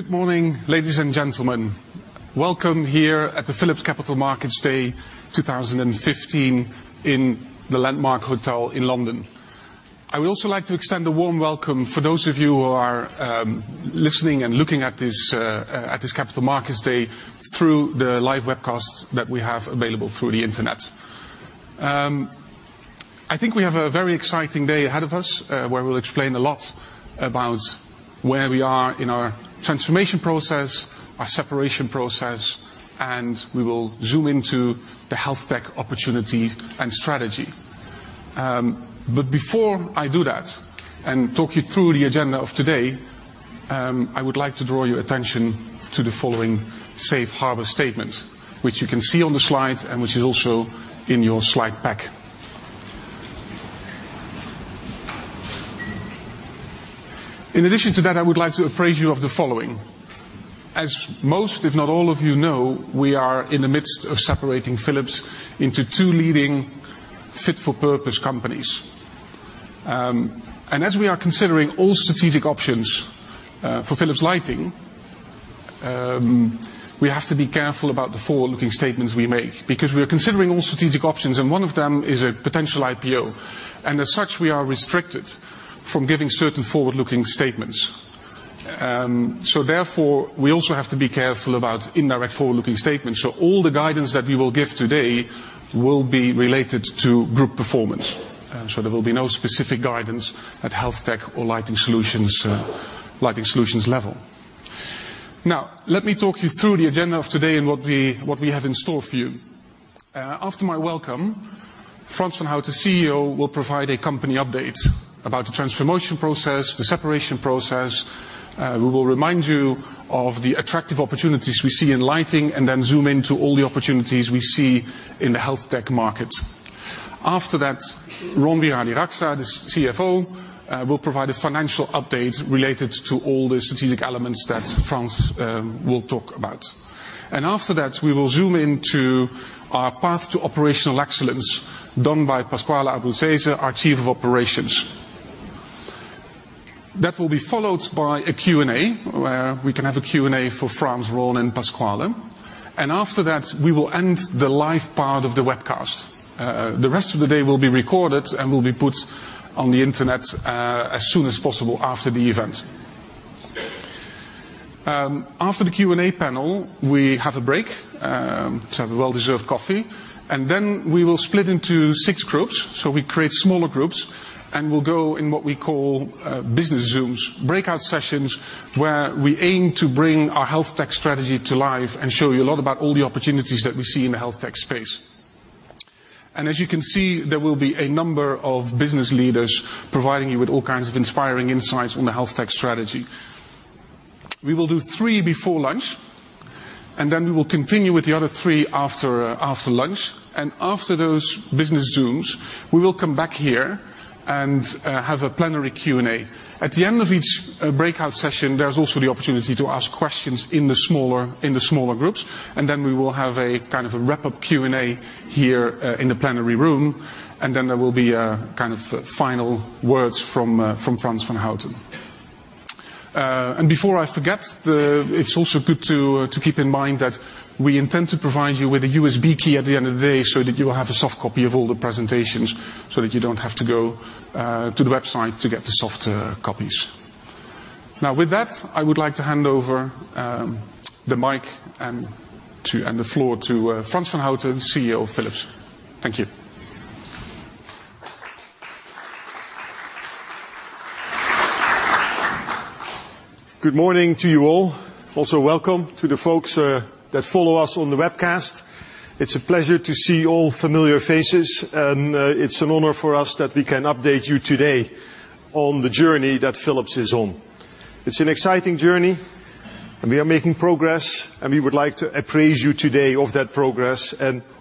Good morning, ladies and gentlemen. Welcome here at the Philips Capital Markets Day 2015 in the Landmark Hotel in London. I would also like to extend a warm welcome for those of you who are listening and looking at this Capital Markets Day through the live webcasts that we have available through the internet. I think we have a very exciting day ahead of us, where we will explain a lot about where we are in our transformation process, our separation process, and we will zoom into the HealthTech opportunity and strategy. Before I do that and talk you through the agenda of today, I would like to draw your attention to the following safe harbor statement, which you can see on the slide and which is also in your slide pack. In addition to that, I would like to appraise you of the following. As most, if not all of you know, we are in the midst of separating Philips into two leading fit-for-purpose companies. As we are considering all strategic options for Philips Lighting, we have to be careful about the forward-looking statements we make because we are considering all strategic options, and one of them is a potential IPO. As such, we are restricted from giving certain forward-looking statements. Therefore, we also have to be careful about indirect forward-looking statements. All the guidance that we will give today will be related to group performance. There will be no specific guidance at HealthTech or lighting solutions level. Let me talk you through the agenda of today and what we have in store for you. After my welcome, Frans van Houten, CEO, will provide a company update about the transformation process, the separation process. We will remind you of the attractive opportunities we see in lighting and then zoom into all the opportunities we see in the HealthTech market. After that, Ron Wirahadiraksa, the CFO, will provide a financial update related to all the strategic elements that Frans will talk about. After that, we will zoom into our path to operational excellence done by Pasquale Abruzzese, our Chief of Operations. That will be followed by a Q&A, where we can have a Q&A for Frans, Ron, and Pasquale. After that, we will end the live part of the webcast. The rest of the day will be recorded and will be put on the internet as soon as possible after the event. After the Q&A panel, we have a break to have a well-deserved coffee, and then we will split into six groups. We create smaller groups, and we will go in what we call business zooms. Breakout sessions where we aim to bring our HealthTech strategy to life and show you a lot about all the opportunities that we see in the HealthTech space. As you can see, there will be a number of business leaders providing you with all kinds of inspiring insights on the HealthTech strategy. We will do three before lunch, then we will continue with the other three after lunch. After those business zooms, we will come back here and have a plenary Q&A. At the end of each breakout session, there is also the opportunity to ask questions in the smaller groups. Then we will have a kind of a wrap-up Q&A here in the plenary room, then there will be kind of final words from Frans van Houten. Before I forget, it's also good to keep in mind that we intend to provide you with a USB key at the end of the day so that you will have a soft copy of all the presentations, so that you don't have to go to the website to get the soft copies. With that, I would like to hand over the mic and the floor to Frans van Houten, CEO of Philips. Thank you. Good morning to you all. Welcome to the folks that follow us on the webcast. It's a pleasure to see all familiar faces, and it's an honor for us that we can update you today on the journey that Philips is on. It's an exciting journey, and we are making progress, and we would like to appraise you today of that progress.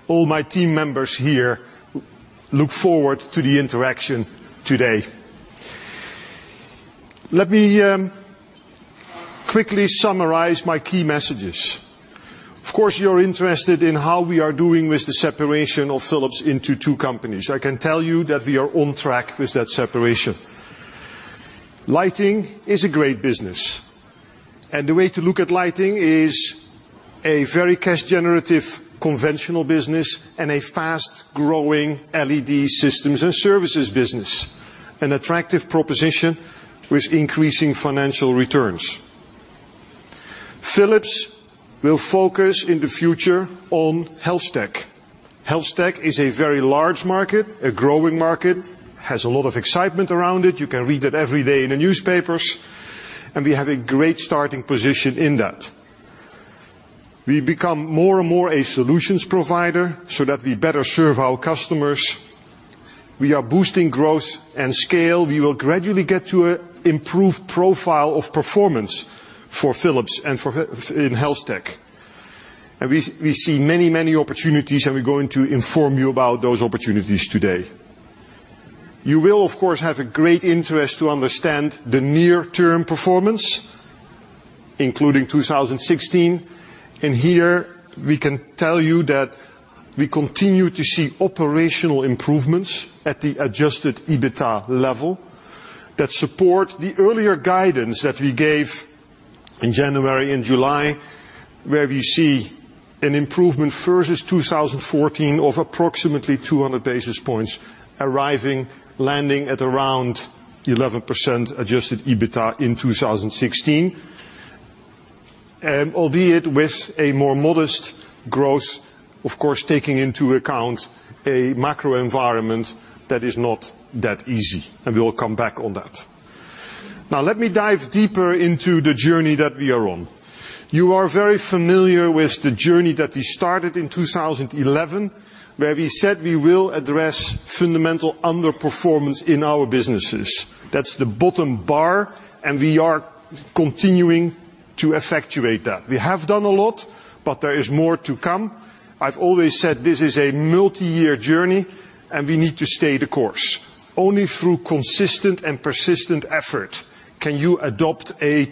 All my team members here look forward to the interaction today. Let me quickly summarize my key messages. Of course, you're interested in how we are doing with the separation of Philips into two companies. I can tell you that we are on track with that separation. Lighting is a great business, and the way to look at lighting is a very cash generative conventional business and a fast-growing LED systems and services business. An attractive proposition with increasing financial returns. Philips will focus in the future on HealthTech. HealthTech is a very large market, a growing market, has a lot of excitement around it. You can read it every day in the newspapers, and we have a great starting position in that. We become more and more a solutions provider so that we better serve our customers. We are boosting growth and scale. We will gradually get to an improved profile of performance for Philips and in HealthTech. We see many, many opportunities, and we're going to inform you about those opportunities today. You will of course have a great interest to understand the near-term performance, including 2016. Here we can tell you that we continue to see operational improvements at the adjusted EBITA level that support the earlier guidance that we gave in January and July, where we see an improvement versus 2014 of approximately 200 basis points arriving, landing at around 11% adjusted EBITA in 2016. Albeit with a more modest growth, of course, taking into account a macro environment that is not that easy, and we will come back on that. Let me dive deeper into the journey that we are on. You are very familiar with the journey that we started in 2011, where we said we will address fundamental underperformance in our businesses. That's the bottom bar, and we are continuing to effectuate that. We have done a lot, but there is more to come. I've always said this is a multi-year journey. We need to stay the course. Only through consistent and persistent effort can you adopt a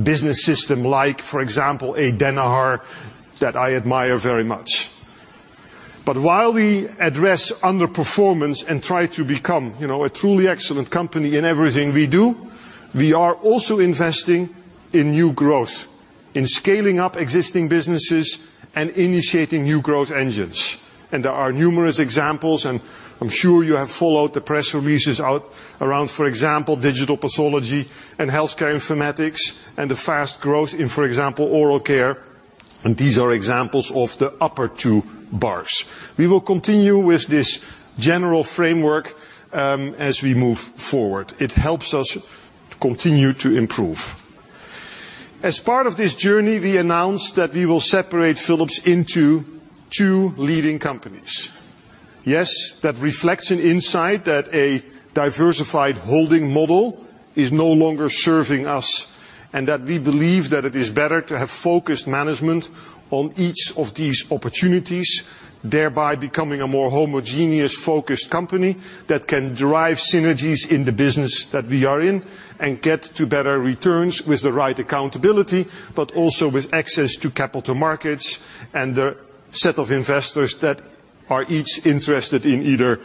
business system like, for example, Danaher, that I admire very much. While we address underperformance and try to become a truly excellent company in everything we do, we are also investing in new growth, in scaling up existing businesses and initiating new growth engines. There are numerous examples, and I'm sure you have followed the press releases out around, for example, digital pathology and healthcare informatics, and the fast growth in, for example, oral care. These are examples of the upper two bars. We will continue with this general framework as we move forward. It helps us to continue to improve. As part of this journey, we announced that we will separate Philips into two leading companies. That reflects an insight that a diversified holding model is no longer serving us. That we believe that it is better to have focused management on each of these opportunities, thereby becoming a more homogeneous, focused company that can derive synergies in the business that we are in and get to better returns with the right accountability, also with access to capital markets and the set of investors that are each interested in either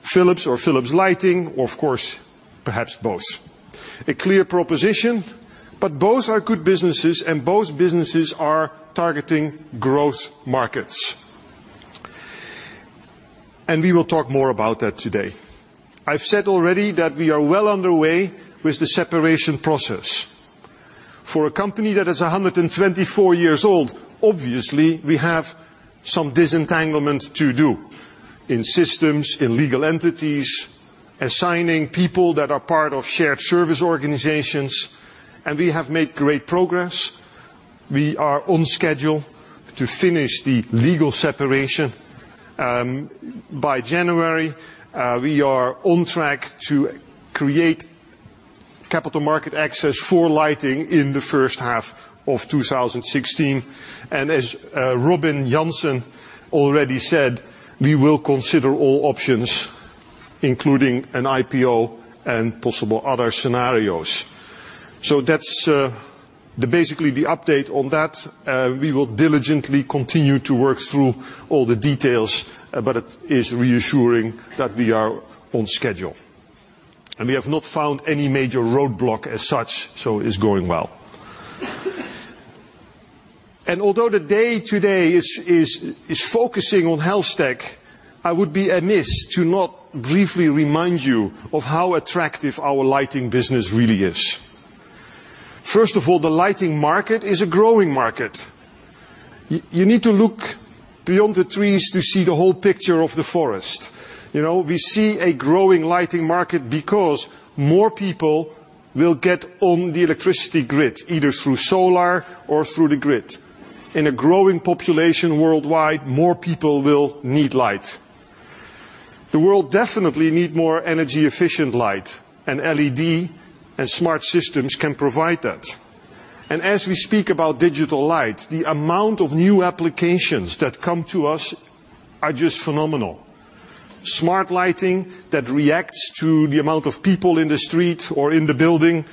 Philips or Philips Lighting or of course, perhaps both. A clear proposition. Both are good businesses and both businesses are targeting growth markets. We will talk more about that today. I've said already that we are well underway with the separation process. For a company that is 124 years old, obviously, we have some disentanglement to do in systems, in legal entities, assigning people that are part of shared service organizations. We have made great progress. We are on schedule to finish the legal separation by January. We are on track to create capital market access for lighting in the first half of 2016. As Robin Jansen already said, we will consider all options, including an IPO and possible other scenarios. That's basically the update on that. We will diligently continue to work through all the details, but it is reassuring that we are on schedule. We have not found any major roadblock as such, so it's going well. Although the day today is focusing on HealthTech, I would be amiss to not briefly remind you of how attractive our lighting business really is. First of all, the lighting market is a growing market. You need to look beyond the trees to see the whole picture of the forest. We see a growing lighting market because more people will get on the electricity grid, either through solar or through the grid. In a growing population worldwide, more people will need light. The world definitely need more energy-efficient light, and LED and smart systems can provide that. As we speak about digital light, the amount of new applications that come to us are just phenomenal. Smart lighting that reacts to the amount of people in the street or in the building,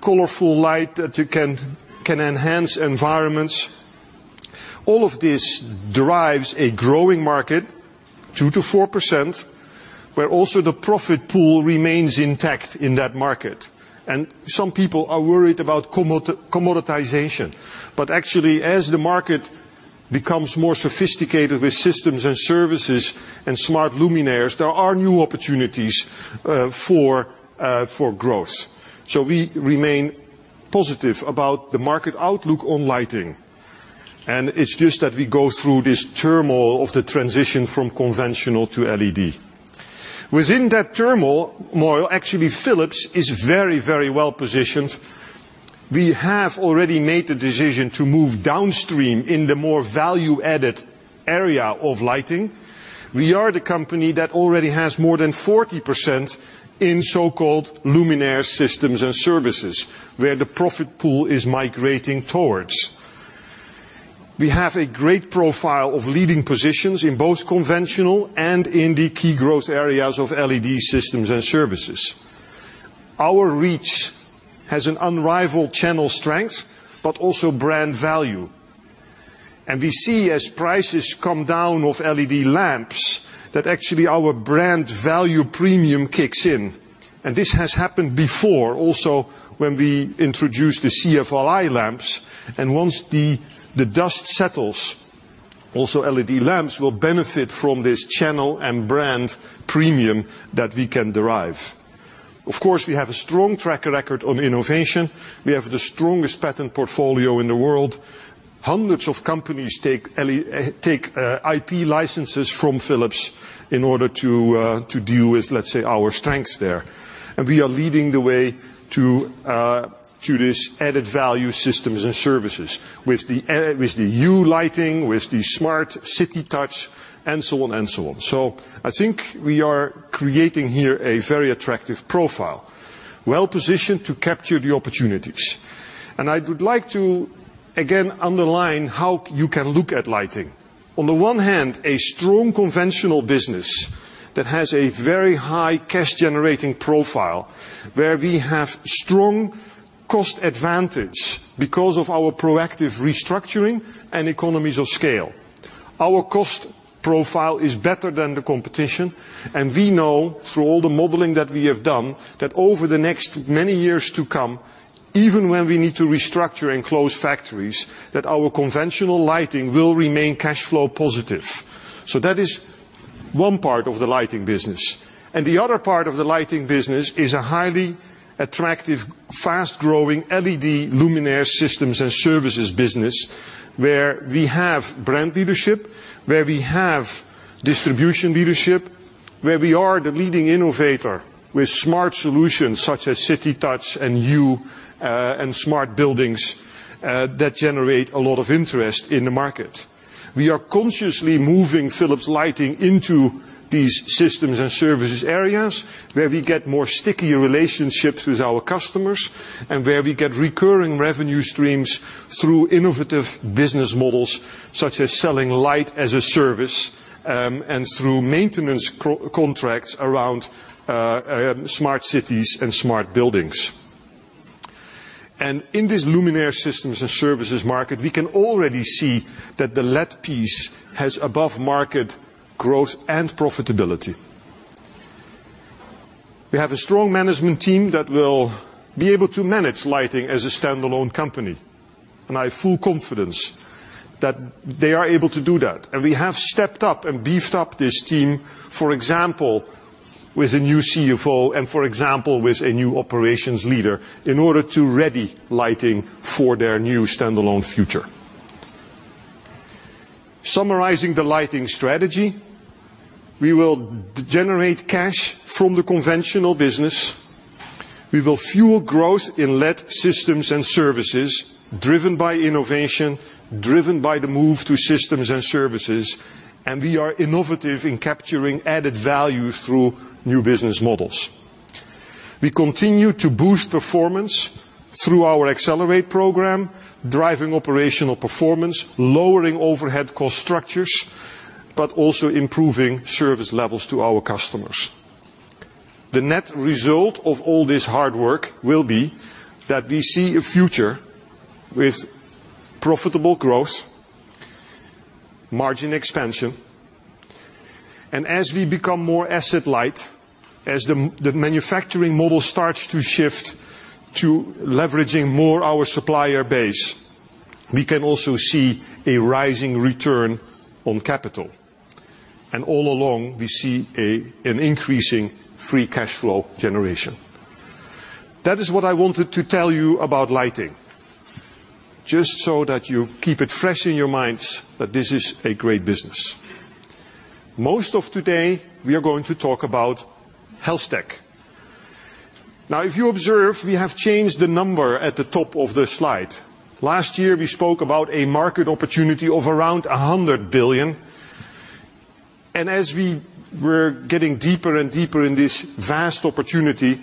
colorful light that can enhance environments. All of this derives a growing market, 2%-4%, where also the profit pool remains intact in that market. Some people are worried about commoditization. Actually, as the market becomes more sophisticated with systems and services and smart luminaires, there are new opportunities for growth. We remain positive about the market outlook on lighting, and it's just that we go through this turmoil of the transition from conventional to LED. Within that turmoil, actually, Philips is very well positioned. We have already made the decision to move downstream in the more value-added area of lighting. We are the company that already has more than 40% in so-called luminaire systems and services, where the profit pool is migrating towards. We have a great profile of leading positions in both conventional and in the key growth areas of LED systems and services. Our reach has an unrivaled channel strength, but also brand value. We see, as prices come down of LED lamps, that actually our brand value premium kicks in. This has happened before, also when we introduced the CFL lamps. Once the dust settles, also LED lamps will benefit from this channel and brand premium that we can derive. Of course, we have a strong track record on innovation. We have the strongest patent portfolio in the world. Hundreds of companies take IP licenses from Philips in order to deal with, let's say, our strengths there. We are leading the way to these added value systems and services with the Hue lighting, with the smart CityTouch, and so on. I think we are creating here a very attractive profile, well-positioned to capture the opportunities. I would like to, again, underline how you can look at lighting. On the one hand, a strong conventional business that has a very high cash-generating profile, where we have strong cost advantage because of our proactive restructuring and economies of scale. Our cost profile is better than the competition, we know through all the modeling that we have done, that over the next many years to come, even when we need to restructure and close factories, that our conventional lighting will remain cash flow positive. That is one part of the lighting business. The other part of the lighting business is a highly attractive, fast-growing LED luminaire systems and services business, where we have brand leadership, where we have distribution leadership, where we are the leading innovator with smart solutions such as CityTouch and Hue and smart buildings that generate a lot of interest in the market. We are consciously moving Philips Lighting into these systems and services areas, where we get stickier relationships with our customers, where we get recurring revenue streams through innovative business models, such as selling light as a service and through maintenance contracts around smart cities and smart buildings. In this luminaire systems and services market, we can already see that the LED piece has above-market growth and profitability. We have a strong management team that will be able to manage lighting as a standalone company, I have full confidence that they are able to do that. We have stepped up and beefed up this team, for example, with a new CFO and, for example, with a new operations leader, in order to ready lighting for their new standalone future. Summarizing the lighting strategy, we will generate cash from the conventional business. We will fuel growth in LED systems and services driven by innovation, driven by the move to systems and services, and we are innovative in capturing added value through new business models. We continue to boost performance through our Accelerate! program, driving operational performance, lowering overhead cost structures, but also improving service levels to our customers. The net result of all this hard work will be that we see a future with profitable growth, margin expansion, and as we become more asset light, as the manufacturing model starts to shift to leveraging more our supplier base, we can also see a rising return on capital. All along, we see an increasing free cash flow generation. That is what I wanted to tell you about lighting, just so that you keep it fresh in your minds that this is a great business. Most of today, we are going to talk about HealthTech. If you observe, we have changed the number at the top of the slide. Last year, we spoke about a market opportunity of around 100 billion. As we were getting deeper and deeper in this vast opportunity,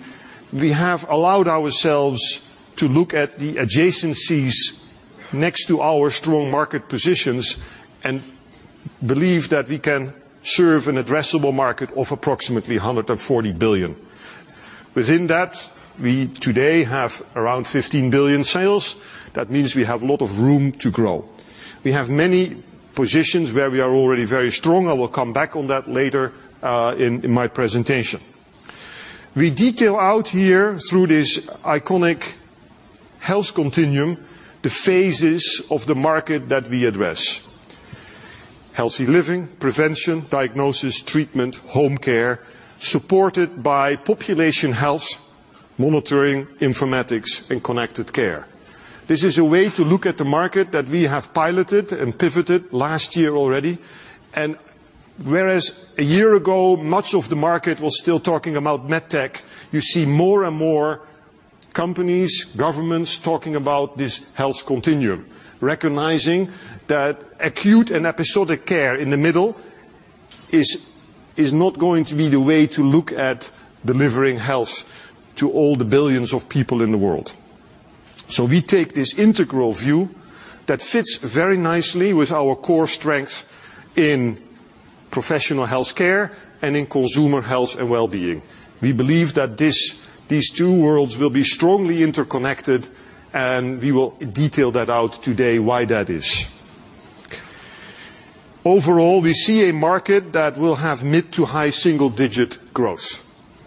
we have allowed ourselves to look at the adjacencies next to our strong market positions and believe that we can serve an addressable market of approximately 140 billion. Within that, we today have around 15 billion sales. That means we have a lot of room to grow. We have many positions where we are already very strong. I will come back on that later in my presentation. We detail out here through this iconic health continuum, the phases of the market that we address. Healthy living, prevention, diagnosis, treatment, home care, supported by population health, monitoring, informatics, and Connected Care. This is a way to look at the market that we have piloted and pivoted last year already, and whereas a year ago, much of the market was still talking about MedTech, you see more and more companies, governments talking about this health continuum, recognizing that acute and episodic care in the middle is not going to be the way to look at delivering health to all the billions of people in the world. We take this integral view that fits very nicely with our core strength in professional healthcare and in consumer health and wellbeing. We believe that these two worlds will be strongly interconnected, and we will detail that out today why that is. Overall, we see a market that will have mid to high single-digit growth,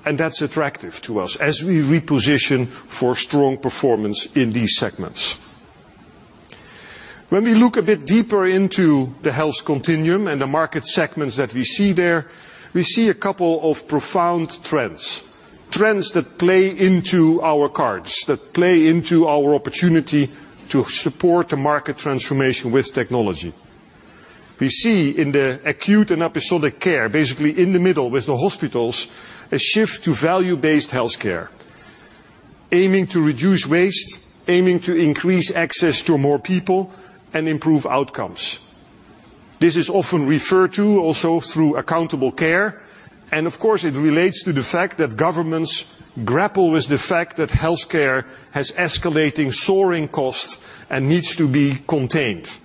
and that's attractive to us as we reposition for strong performance in these segments. When we look a bit deeper into the health continuum and the market segments that we see there, we see a couple of profound trends that play into our cards, that play into our opportunity to support the market transformation with technology. We see in the acute and episodic care, basically in the middle with the hospitals, a shift to value-based healthcare, aiming to reduce waste, aiming to increase access to more people, and improve outcomes. This is often referred to also through accountable care, and of course, it relates to the fact that governments grapple with the fact that healthcare has escalating, soaring costs and needs to be contained.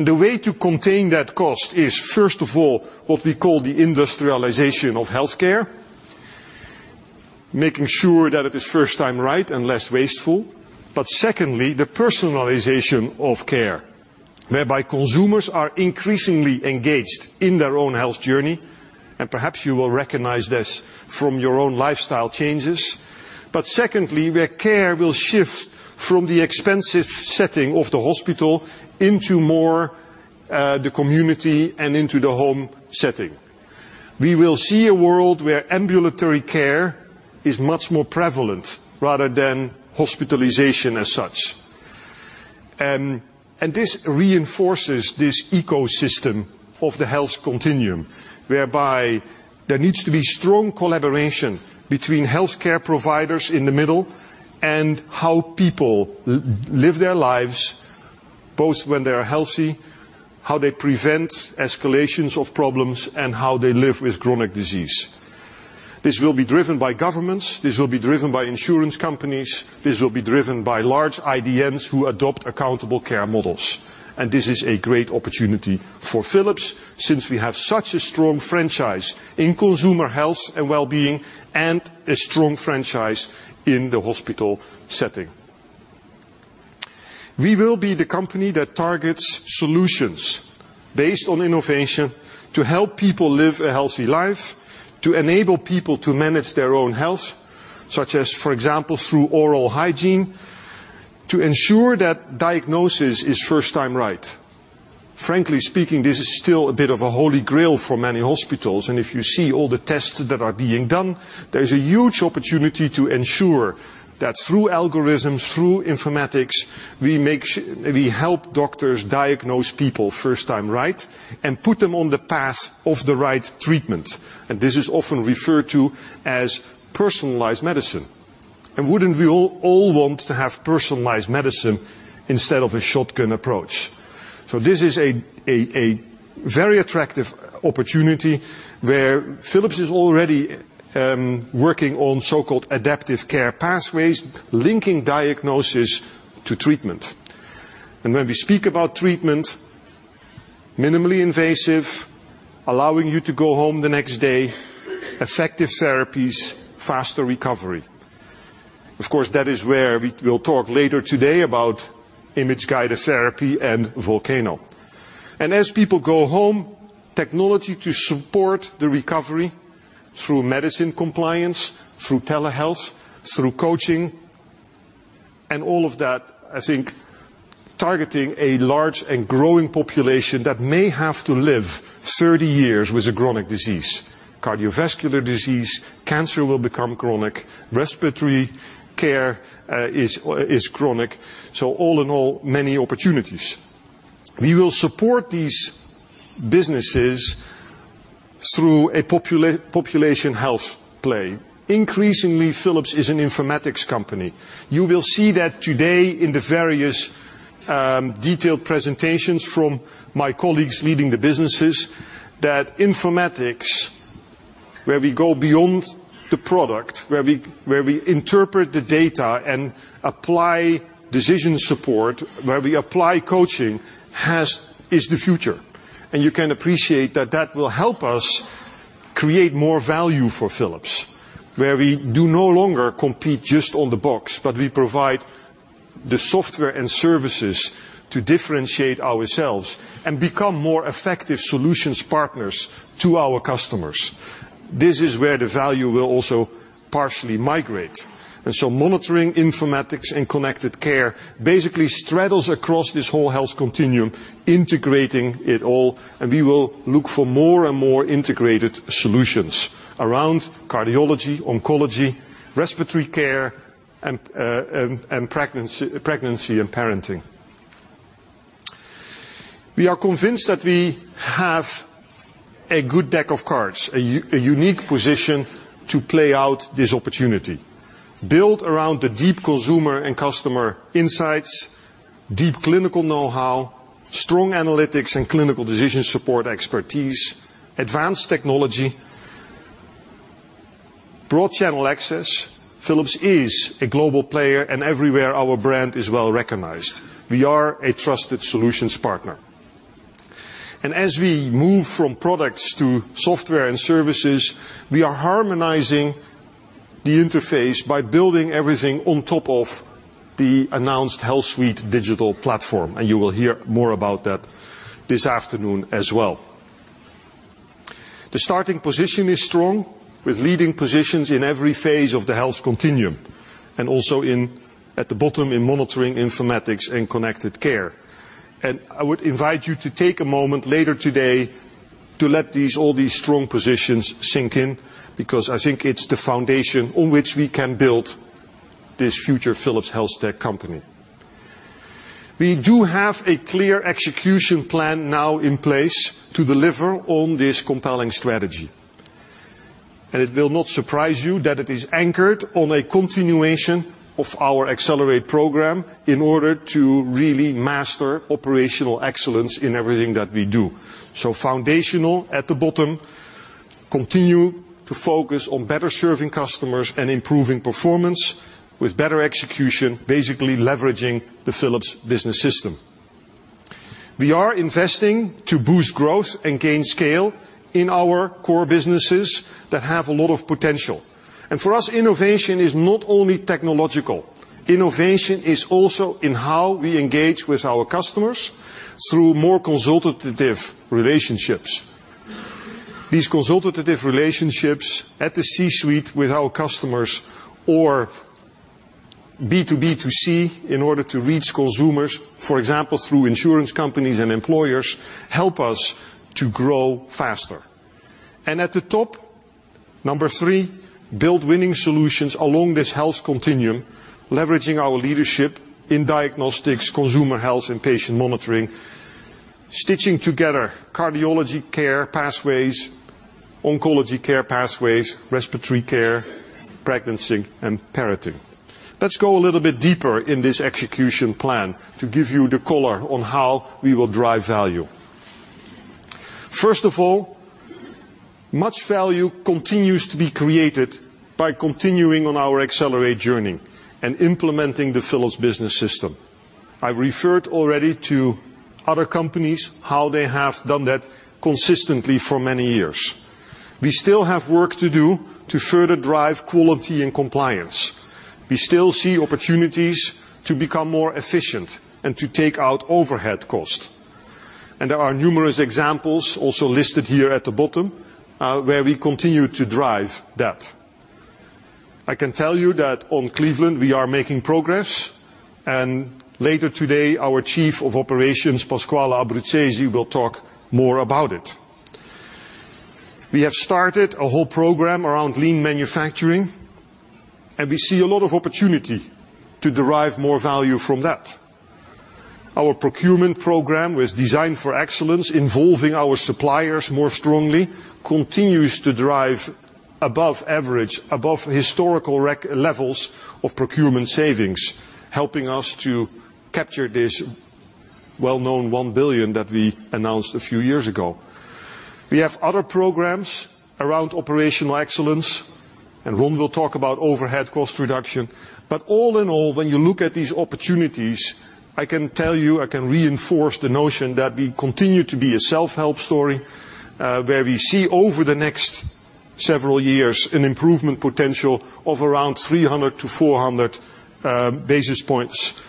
The way to contain that cost is, first of all, what we call the industrialization of healthcare, making sure that it is first time right and less wasteful, secondly, the personalization of care, whereby consumers are increasingly engaged in their own health journey. Perhaps you will recognize this from your own lifestyle changes. Secondly, where care will shift from the expensive setting of the hospital into more, the community and into the home setting. We will see a world where ambulatory care is much more prevalent rather than hospitalization as such. This reinforces this ecosystem of the health continuum, whereby there needs to be strong collaboration between healthcare providers in the middle and how people live their lives, both when they are healthy, how they prevent escalations of problems, and how they live with chronic disease. This will be driven by governments. This will be driven by insurance companies. This will be driven by large IDNs who adopt accountable care models. This is a great opportunity for Philips, since we have such a strong franchise in consumer health and wellbeing and a strong franchise in the hospital setting. We will be the company that targets solutions based on innovation to help people live a healthy life, to enable people to manage their own health, such as, for example, through oral hygiene, to ensure that diagnosis is first time right. Frankly speaking, this is still a bit of a holy grail for many hospitals, if you see all the tests that are being done, there is a huge opportunity to ensure that through algorithms, through informatics, we help doctors diagnose people first time right and put them on the path of the right treatment. This is often referred to as personalized medicine. Wouldn't we all want to have personalized medicine instead of a shotgun approach? This is a very attractive opportunity where Philips is already working on so-called adaptive care pathways, linking diagnosis to treatment. When we speak about treatment, minimally invasive, allowing you to go home the next day, effective therapies, faster recovery. Of course, that is where we will talk later today about image-guided therapy and Volcano. As people go home, technology to support the recovery through medicine compliance, through telehealth, through coaching, and all of that, I think, targeting a large and growing population that may have to live 30 years with a chronic disease. Cardiovascular disease, cancer will become chronic. Respiratory care is chronic. All in all, many opportunities. We will support these businesses through a population health play. Increasingly, Philips is an informatics company. You will see that today in the various, detailed presentations from my colleagues leading the businesses that informatics, where we go beyond the product, where we interpret the data and apply decision support, where we apply coaching, is the future. You can appreciate that that will help us create more value for Philips, where we do no longer compete just on the box, but we provide the software and services to differentiate ourselves and become more effective solutions partners to our customers. This is where the value will also partially migrate. Monitoring, informatics, and Connected Care basically straddles across this whole health continuum, integrating it all, we will look for more and more integrated solutions around cardiology, oncology, respiratory care, and pregnancy and parenting. We are convinced that we have a good deck of cards, a unique position to play out this opportunity. Build around the deep consumer and customer insights, deep clinical know-how, strong analytics and clinical decision support expertise, advanced technology, broad channel access. Philips is a global player and everywhere our brand is well-recognized. We are a trusted solutions partner. As we move from products to software and services, we are harmonizing the interface by building everything on top of the announced HealthSuite Digital Platform, and you will hear more about that this afternoon as well. The starting position is strong with leading positions in every phase of the health continuum, and also at the bottom in monitoring informatics and Connected Care. I would invite you to take a moment later today to let all these strong positions sink in, because I think it's the foundation on which we can build this future Philips HealthTech company. We do have a clear execution plan now in place to deliver on this compelling strategy. It will not surprise you that it is anchored on a continuation of our Accelerate program in order to really master operational excellence in everything that we do. Foundational, at the bottom, continue to focus on better serving customers and improving performance with better execution, basically leveraging the Philips Business System. We are investing to boost growth and gain scale in our core businesses that have a lot of potential. For us, innovation is not only technological. Innovation is also in how we engage with our customers through more consultative relationships. These consultative relationships at the C-suite with our customers or B2B2C, in order to reach consumers, for example, through insurance companies and employers, help us to grow faster. At the top, number three, build winning solutions along this health continuum, leveraging our leadership in diagnostics, consumer health, and patient monitoring, stitching together cardiology care pathways, oncology care pathways, respiratory care, pregnancy, and parenting. Let's go a little bit deeper in this execution plan to give you the color on how we will drive value. First of all, much value continues to be created by continuing on our Accelerate journey and implementing the Philips Business System. I referred already to other companies, how they have done that consistently for many years. We still have work to do to further drive quality and compliance. We still see opportunities to become more efficient and to take out overhead cost. There are numerous examples also listed here at the bottom, where we continue to drive that. I can tell you that on Cleveland, we are making progress, and later today, our Chief of Operations, Pasquale Bruzzese, will talk more about it. We have started a whole program around Lean manufacturing, and we see a lot of opportunity to derive more value from that. Our procurement program was Design for Excellence, involving our suppliers more strongly, continues to drive above average, above historical record levels of procurement savings, helping us to capture this well-known 1 billion that we announced a few years ago. We have other programs around operational excellence, and Ron will talk about overhead cost reduction. All in all, when you look at these opportunities, I can tell you, I can reinforce the notion that we continue to be a self-help story, where we see over the next several years an improvement potential of around 300-400 basis points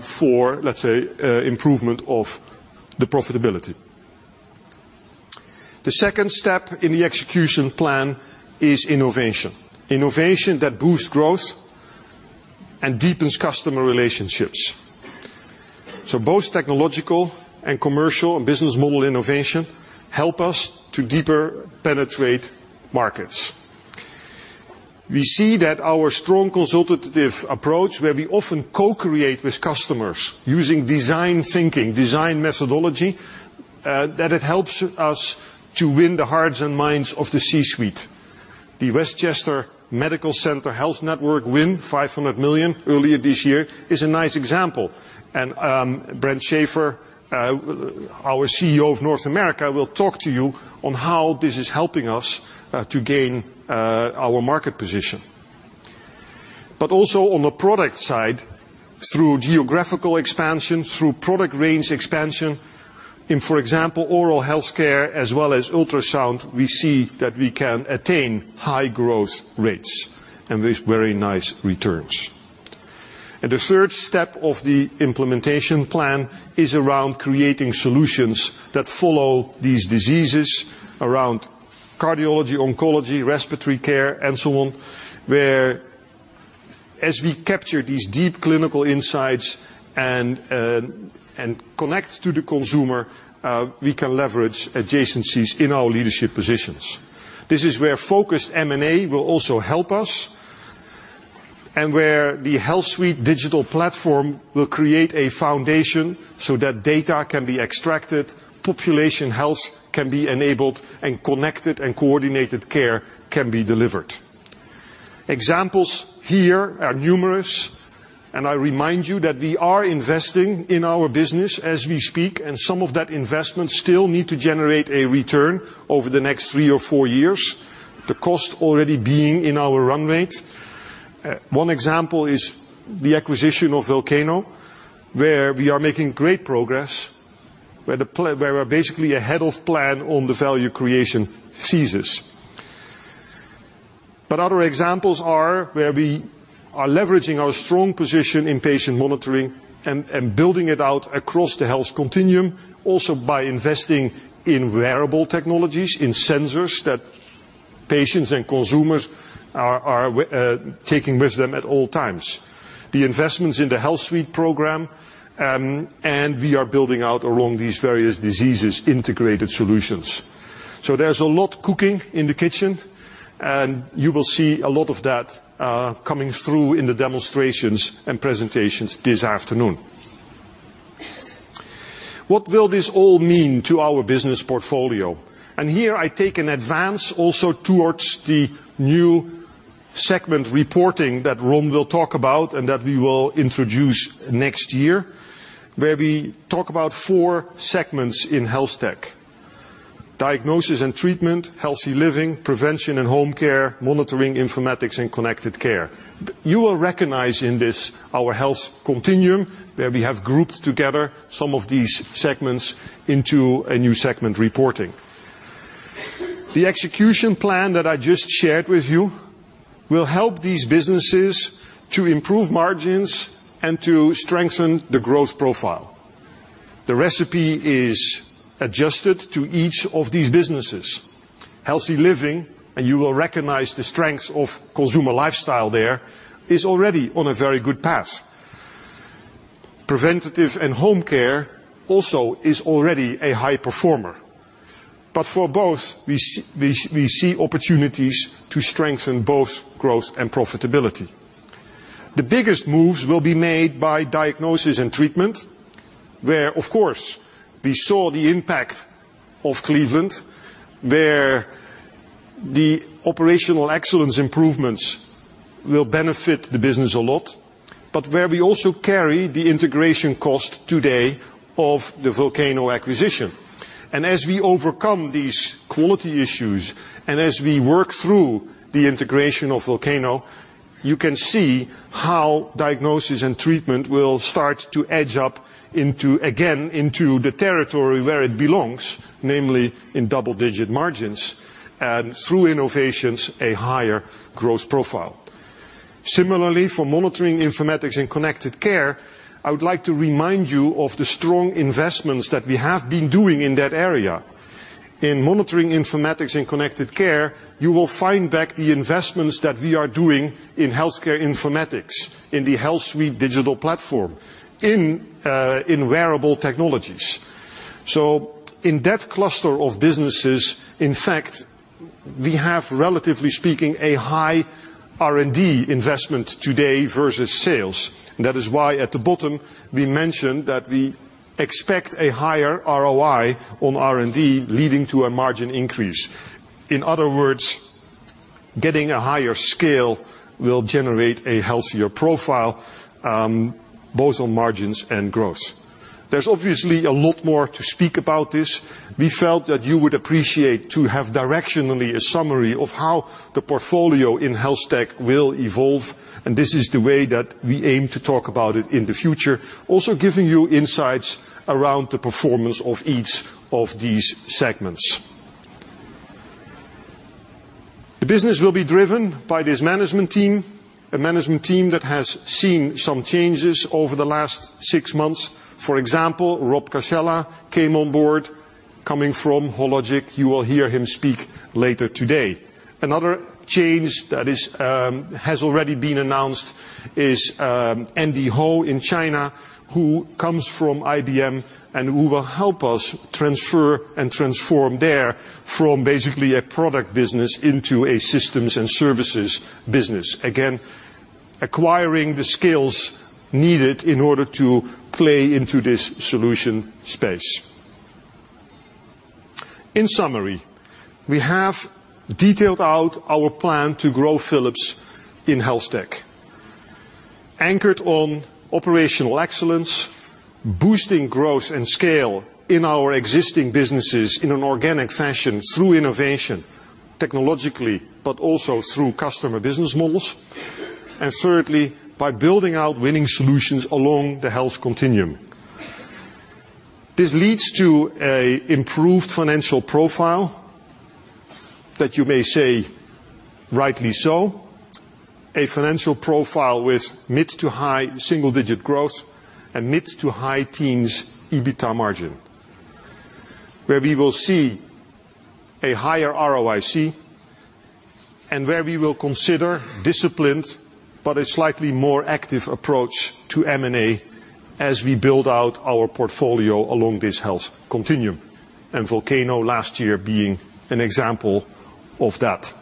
for, let's say, improvement of the profitability. The second step in the execution plan is innovation. Innovation that boosts growth and deepens customer relationships. Both technological and commercial and business model innovation help us to deeper penetrate markets. We see that our strong consultative approach, where we often co-create with customers using design thinking, design methodology, that it helps us to win the hearts and minds of the C-suite. The Westchester Medical Center Health Network win 500 million earlier this year is a nice example, Brent Shafer, our CEO of North America, will talk to you on how this is helping us to gain our market position. Also on the product side, through geographical expansion, through product range expansion, in, for example, oral health care as well as ultrasound, we see that we can attain high growth rates and with very nice returns. The third step of the implementation plan is around creating solutions that follow these diseases around cardiology, oncology, respiratory care, and so on, where as we capture these deep clinical insights and connect to the consumer, we can leverage adjacencies in our leadership positions. This is where focused M&A will also help us and where the HealthSuite Digital Platform will create a foundation so that data can be extracted, population health can be enabled, and connected and coordinated care can be delivered. Examples here are numerous, and I remind you that we are investing in our business as we speak, and some of that investments still need to generate a return over the next three or four years. The cost already being in our run rate. One example is the acquisition of Volcano, where we are making great progress, where we are basically ahead of plan on the value creation thesis. Other examples are where we are leveraging our strong position in patient monitoring and building it out across the health continuum, also by investing in wearable technologies, in sensors that patients and consumers are taking with them at all times. The investments in the HealthSuite program, we are building out along these various diseases integrated solutions. There's a lot cooking in the kitchen, and you will see a lot of that coming through in the demonstrations and presentations this afternoon. What will this all mean to our business portfolio? Here I take an advance also towards the new segment reporting that Ron will talk about and that we will introduce next year, where we talk about four segments in HealthTech: Diagnosis and Treatment, Healthy Living, Prevention and Home Care, Monitoring, Informatics, and Connected Care. You will recognize in this, our Health Continuum, where we have grouped together some of these segments into a new segment reporting. The execution plan that I just shared with you will help these businesses to improve margins and to strengthen the growth profile. The recipe is adjusted to each of these businesses. Healthy living, and you will recognize the strength of consumer lifestyle there, is already on a very good path. Preventative and home care also is already a high performer. For both, we see opportunities to strengthen both growth and profitability. The biggest moves will be made by Diagnosis & Treatment, where, of course, we saw the impact of Cleveland, where the operational excellence improvements will benefit the business a lot, where we also carry the integration cost today of the Volcano acquisition. As we overcome these quality issues and as we work through the integration of Volcano, you can see how Diagnosis & Treatment will start to edge up into, again, into the territory where it belongs, namely in double-digit margins, and through innovations, a higher growth profile. Similarly, for Monitoring, Informatics, and Connected Care, I would like to remind you of the strong investments that we have been doing in that area. In Monitoring, Informatics, and Connected Care, you will find back the investments that we are doing in Healthcare Informatics, in the HealthSuite Digital Platform, in wearable technologies. In that cluster of businesses, in fact, we have, relatively speaking, a high R&D investment today versus sales. That is why at the bottom, we mentioned that we expect a higher ROI on R&D, leading to a margin increase. In other words, getting a higher scale will generate a healthier profile, both on margins and growth. There's obviously a lot more to speak about this. We felt that you would appreciate to have directionally a summary of how the portfolio in HealthTech will evolve, and this is the way that we aim to talk about it in the future, also giving you insights around the performance of each of these segments. The business will be driven by this management team, a management team that has seen some changes over the last six months. For example, Rob Casella came on board coming from Hologic. You will hear him speak later today. Another change that has already been announced is Andy Ho in China, who comes from IBM and who will help us transfer and transform there from basically a product business into a systems and services business. Again, acquiring the skills needed in order to play into this solution space. In summary, we have detailed out our plan to grow Philips in HealthTech, anchored on operational excellence, boosting growth and scale in our existing businesses in an organic fashion through innovation, technologically, but also through customer business models, and thirdly, by building out winning solutions along the health continuum. This leads to an improved financial profile that you may say, rightly so. A financial profile with mid-to-high single-digit growth and mid-to-high teens EBITDA margin, where we will see a higher ROIC and where we will consider disciplined, but a slightly more active approach to M&A as we build out our portfolio along this health continuum, and Volcano last year being an example of that.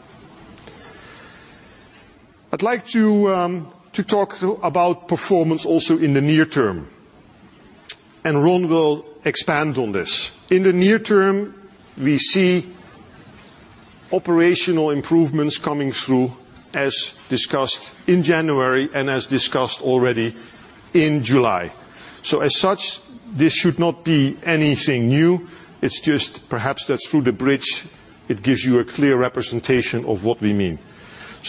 I'd like to talk about performance also in the near term. Ron will expand on this. In the near term, we see operational improvements coming through as discussed in January and as discussed already in July. As such, this should not be anything new. It's just perhaps that through the bridge it gives you a clear representation of what we mean.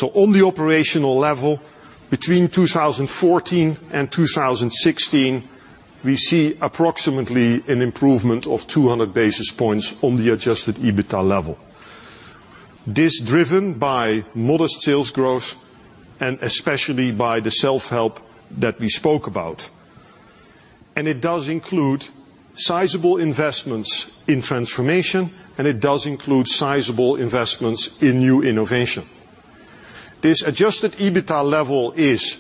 On the operational level, between 2014 and 2016, we see approximately an improvement of 200 basis points on the adjusted EBITA level. This is driven by modest sales growth and especially by the self-help that we spoke about. It does include sizable investments in transformation, and it does include sizable investments in new innovation. This adjusted EBITA level is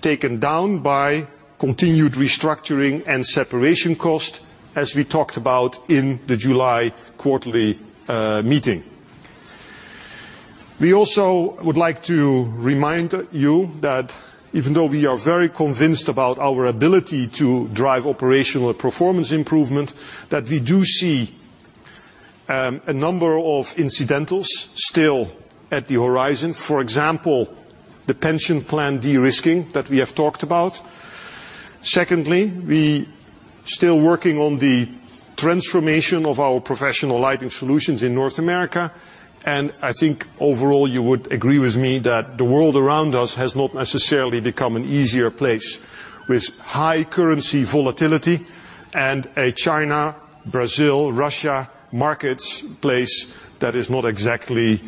taken down by continued restructuring and separation cost, as we talked about in the July quarterly meeting. We also would like to remind you that even though we are very convinced about our ability to drive operational performance improvement, that we do see a number of incidentals still at the horizon. For example, the pension plan de-risking that we have talked about. Secondly, we still working on the transformation of our professional lighting solutions in North America, and I think overall you would agree with me that the world around us has not necessarily become an easier place with high currency volatility and a China, Brazil, Russia markets place that is not exactly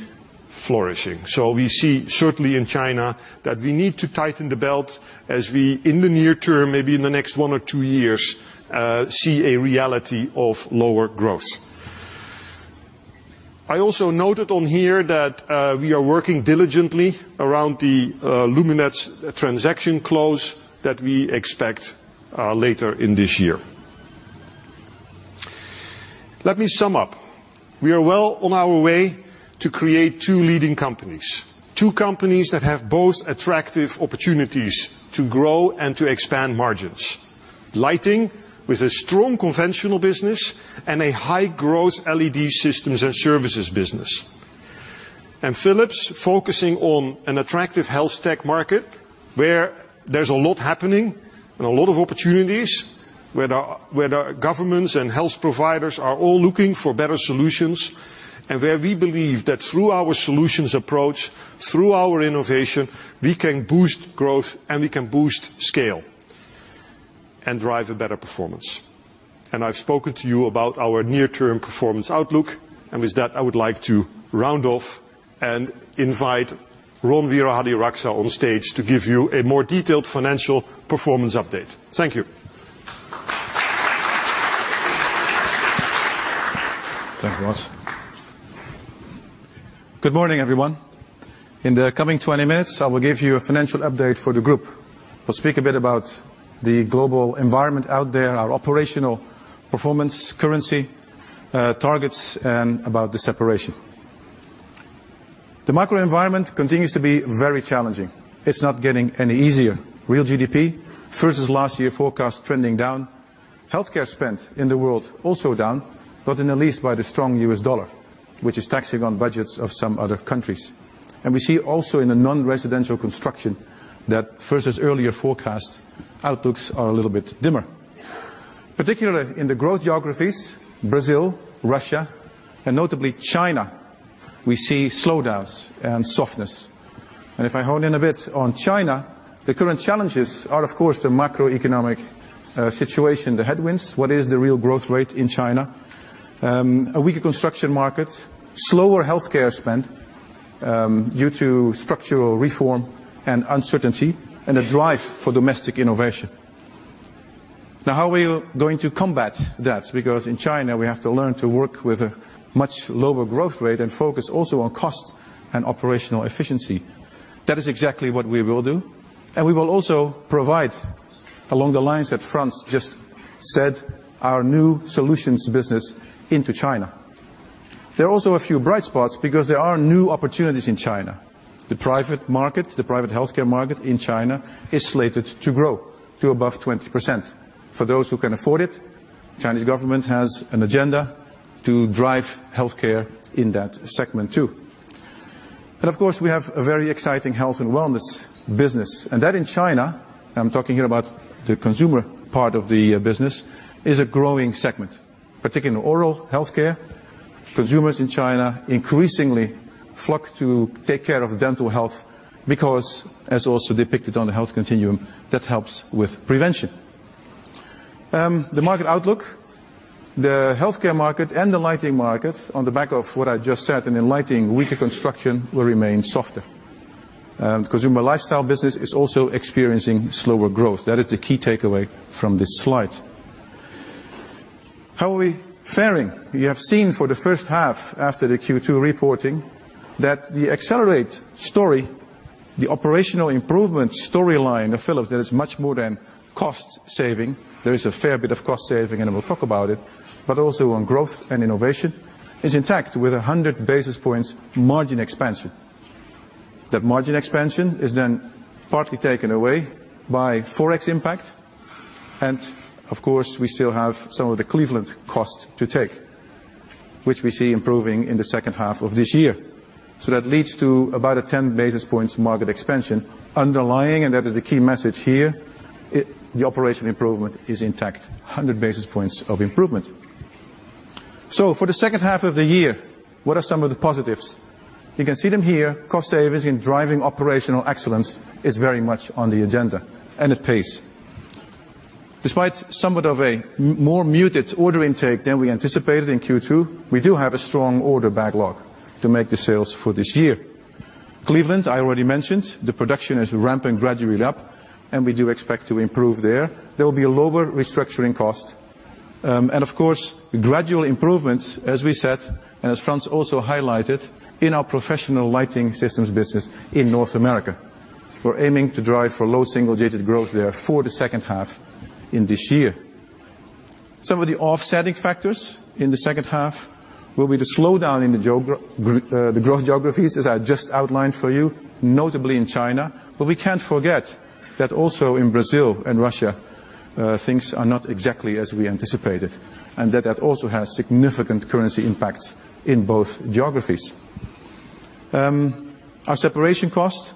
flourishing. We see certainly in China that we need to tighten the belt as we, in the near term, maybe in the next one or two years, see a reality of lower growth. I also noted on here that we are working diligently around the Lumileds transaction close that we expect later in this year. Let me sum up. We are well on our way to create two leading companies. Two companies that have both attractive opportunities to grow and to expand margins. Lighting with a strong conventional business and a high growth LED systems and services business. Philips focusing on an attractive HealthTech market where there's a lot happening and a lot of opportunities where the governments and health providers are all looking for better solutions, and where we believe that through our solutions approach, through our innovation, we can boost growth and we can boost scale and drive a better performance. I've spoken to you about our near-term performance outlook, and with that, I would like to round off and invite Ron Wirahadiraksa on stage to give you a more detailed financial performance update. Thank you. Thanks a lot. Good morning, everyone. In the coming 20 minutes, I will give you a financial update for the group. We'll speak a bit about the global environment out there, our operational performance, currency, targets, and about the separation. The macro environment continues to be very challenging. It's not getting any easier. Real GDP versus last year forecast trending down. Healthcare spend in the world also down, but in the least by the strong US dollar, which is taxing on budgets of some other countries. We see also in the non-residential construction that versus earlier forecast, outlooks are a little bit dimmer. Particularly in the growth geographies, Brazil, Russia, and notably China, we see slowdowns and softness. If I hone in a bit on China, the current challenges are, of course, the macroeconomic situation, the headwinds. What is the real growth rate in China? A weaker construction market, slower healthcare spend, due to structural reform and uncertainty, and a drive for domestic innovation. How are we going to combat that? Because in China we have to learn to work with a much lower growth rate and focus also on cost and operational efficiency. That is exactly what we will do, and we will also provide along the lines that Frans just said, our new solutions business into China. There are also a few bright spots because there are new opportunities in China. The private market, the private healthcare market in China is slated to grow to above 20%. For those who can afford it, Chinese government has an agenda to drive healthcare in that segment, too. Of course, we have a very exciting health and wellness business. That in China, I'm talking here about the consumer part of the business, is a growing segment. Particularly in oral healthcare. Consumers in China increasingly flock to take care of dental health because, as also depicted on the health continuum, that helps with prevention. The market outlook, the healthcare market and the lighting market on the back of what I just said, and in lighting, weaker construction will remain softer. Consumer lifestyle business is also experiencing slower growth. That is the key takeaway from this slide. How are we faring? You have seen for the first half after the Q2 reporting that the Accelerate! story, the operational improvement storyline of Philips, that is much more than cost saving. There is a fair bit of cost saving, and we'll talk about it, but also on growth and innovation is intact with 100 basis points margin expansion. That margin expansion is partly taken away by Forex impact. Of course, we still have some of the Cleveland cost to take, which we see improving in the second half of this year. That leads to about a 10 basis points margin expansion underlying, and that is the key message here. The operational improvement is intact, 100 basis points of improvement. For the second half of the year, what are some of the positives? You can see them here. Cost savings in driving operational excellence is very much on the agenda and at pace. Despite somewhat of a more muted order intake than we anticipated in Q2, we do have a strong order backlog to make the sales for this year. Cleveland, I already mentioned, the production is ramping gradually up, and we do expect to improve there. There will be a lower restructuring cost. Of course, gradual improvements, as we said, and as Frans also highlighted, in our professional lighting systems business in North America. We're aiming to drive for low single-digit growth there for the second half in this year. Some of the offsetting factors in the second half will be the slowdown in the growth geographies, as I just outlined for you, notably in China. We can't forget that also in Brazil and Russia, things are not exactly as we anticipated, and that also has significant currency impacts in both geographies. Our separation cost,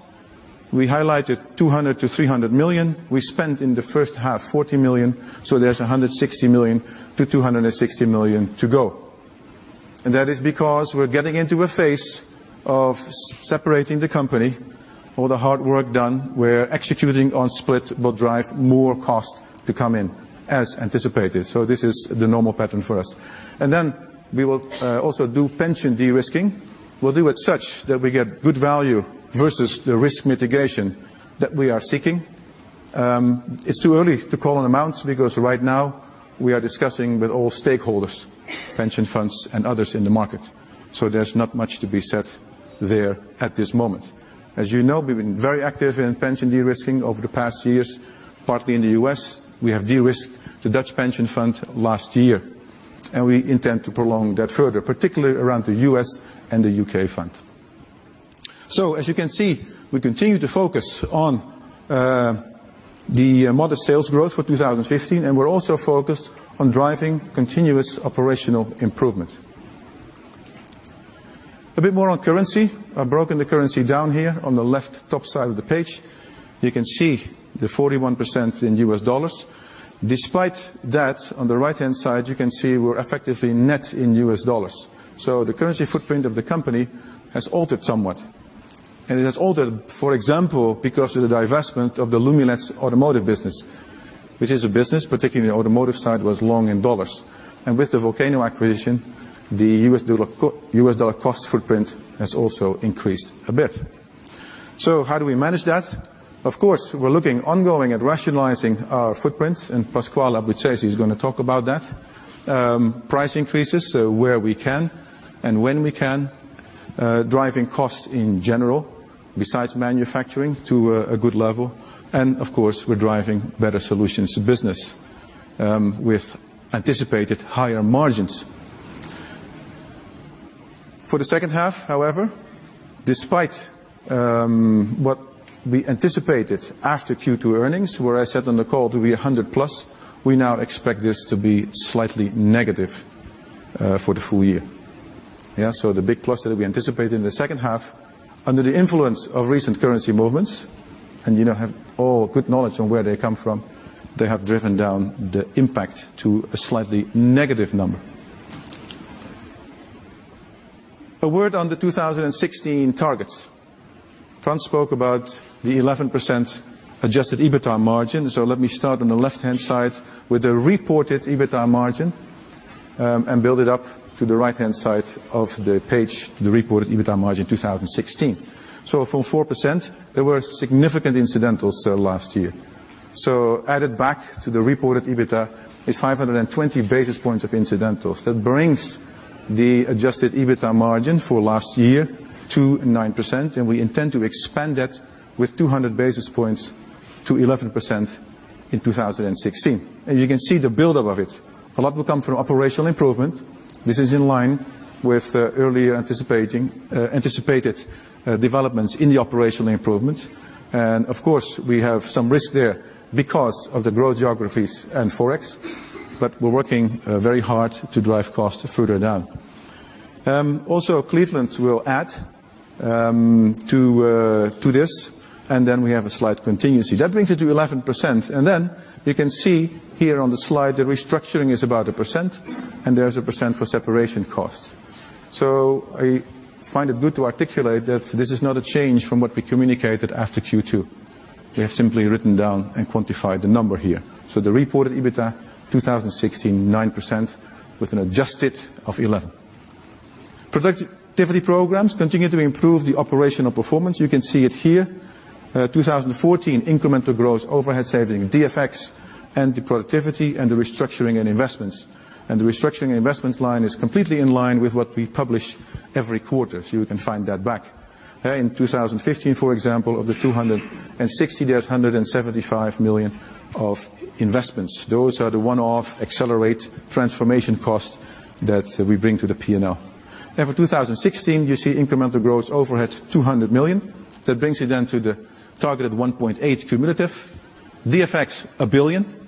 we highlighted 200 million-300 million. We spent in the first half 40 million, so there's 160 million-260 million to go. That is because we're getting into a phase of separating the company, all the hard work done. Where executing on split will drive more cost to come in as anticipated. This is the normal pattern for us. Then we will also do pension de-risking. We'll do it such that we get good value versus the risk mitigation that we are seeking. It's too early to call on amounts because right now we are discussing with all stakeholders, pension funds and others in the market. There's not much to be said there at this moment. As you know, we've been very active in pension de-risking over the past years, partly in the U.S. We have de-risked the Dutch pension fund last year, and we intend to prolong that further, particularly around the U.S. and the U.K. fund. As you can see, we continue to focus on the moderate sales growth for 2015, and we're also focused on driving continuous operational improvement. A bit more on currency. I've broken the currency down here on the left top side of the page. You can see the 41% in U.S. dollars. Despite that, on the right-hand side, you can see we're effectively net in U.S. dollars. The currency footprint of the company has altered somewhat, and it has altered, for example, because of the divestment of the Lumileds automotive business, which is a business, particularly the automotive side, was long in dollars. With the Volcano acquisition, the U.S. dollar cost footprint has also increased a bit. How do we manage that? Of course, we're looking ongoing at rationalizing our footprints, and Pasquale Abruzzese is going to talk about that. Price increases where we can and when we can, driving costs in general, besides manufacturing to a good level, and of course, we're driving better solutions to business with anticipated higher margins. For the second half, however, despite what we anticipated after Q2 earnings, where I said on the call it will be 100 plus, we now expect this to be slightly negative for the full year. The big plus that we anticipated in the second half under the influence of recent currency movements, and you now have good knowledge on where they come from. They have driven down the impact to a slightly negative number. A word on the 2016 targets. Frans spoke about the 11% adjusted EBITDA margin. Let me start on the left-hand side with the reported EBITDA margin, and build it up to the right-hand side of the page, the reported EBITDA margin 2016. From 4%, there were significant incidentals last year. Added back to the reported EBITDA is 520 basis points of incidentals. That brings the adjusted EBITDA margin for last year to 9%, and we intend to expand that with 200 basis points to 11% in 2016. You can see the buildup of it. A lot will come from operational improvement. This is in line with earlier anticipated developments in the operational improvement. Of course, we have some risk there because of the growth geographies and Forex, but we're working very hard to drive costs further down. Also, Cleveland will add to this, and then we have a slight contingency. That brings it to 11%. You can see here on the slide, the restructuring is about 1%, and there's 1% for separation cost. I find it good to articulate that this is not a change from what we communicated after Q2. We have simply written down and quantified the number here. The reported EBITDA 2016, 9% with an adjusted of 11%. Productivity programs continue to improve the operational performance. You can see it here. 2014 incremental growth, overhead saving, DfX, and the productivity and the restructuring and investments. The restructuring and investments line is completely in line with what we publish every quarter. You can find that back. In 2015, for example, of the 260, there's 175 million of investments. Those are the one-off Accelerate! transformation costs that we bring to the P&L. For 2016, you see incremental growth overhead, 200 million. That brings it then to the targeted 1.8 billion cumulative. DfX, 1 billion.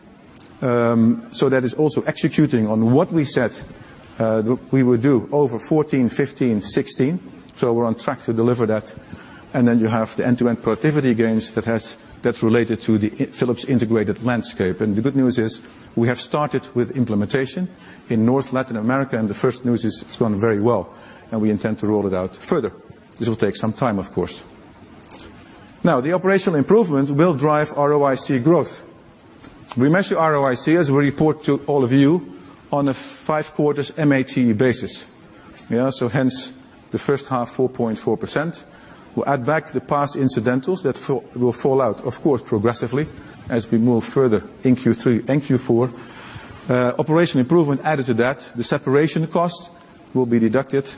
That is also executing on what we said we would do over 2014, 2015, 2016. We're on track to deliver that. You have the end-to-end productivity gains that's related to the Philips Integrated Landscape. The good news is, we have started with implementation in North Latin America, and the first news is it's going very well, and we intend to roll it out further. This will take some time, of course. The operational improvements will drive ROIC growth. We measure ROIC as we report to all of you on a five-quarters MAT basis. Hence the first half, 4.4%. We'll add back the past incidentals that will fall out, of course, progressively as we move further in Q3 and Q4. Operational improvement added to that, the separation cost will be deducted,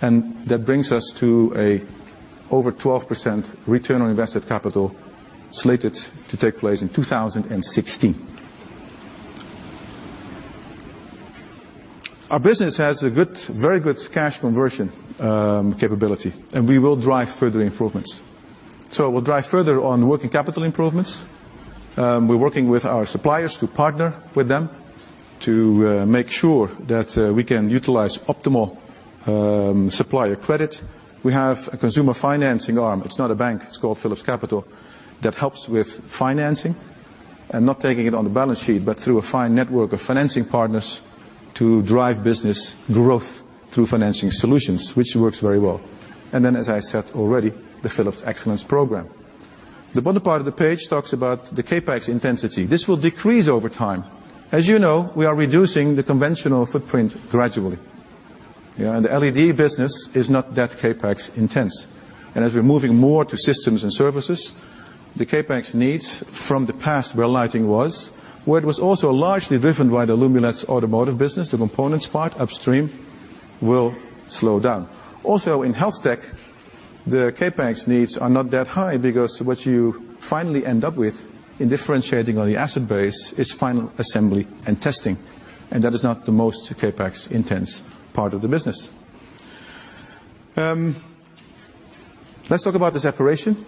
and that brings us to an over 12% return on invested capital slated to take place in 2016. Our business has a very good cash conversion capability, and we will drive further improvements. We'll drive further on working capital improvements. We're working with our suppliers to partner with them to make sure that we can utilize optimal supplier credit. We have a consumer financing arm. It's not a bank. It's called Philips Capital, that helps with financing and not taking it on the balance sheet, but through a fine network of financing partners to drive business growth through financing solutions, which works very well. As I said already, the Philips Excellence program. The bottom part of the page talks about the CapEx intensity. This will decrease over time. As you know, we are reducing the conventional footprint gradually. The LED business is not that CapEx-intense. As we're moving more to systems and services, the CapEx needs from the past where lighting was, where it was also largely driven by the Lumileds automotive business, the components part upstream, will slow down. HealthTech, the CapEx needs are not that high because what you finally end up with in differentiating on the asset base is final assembly and testing, and that is not the most CapEx-intense part of the business. Let's talk about the separation. The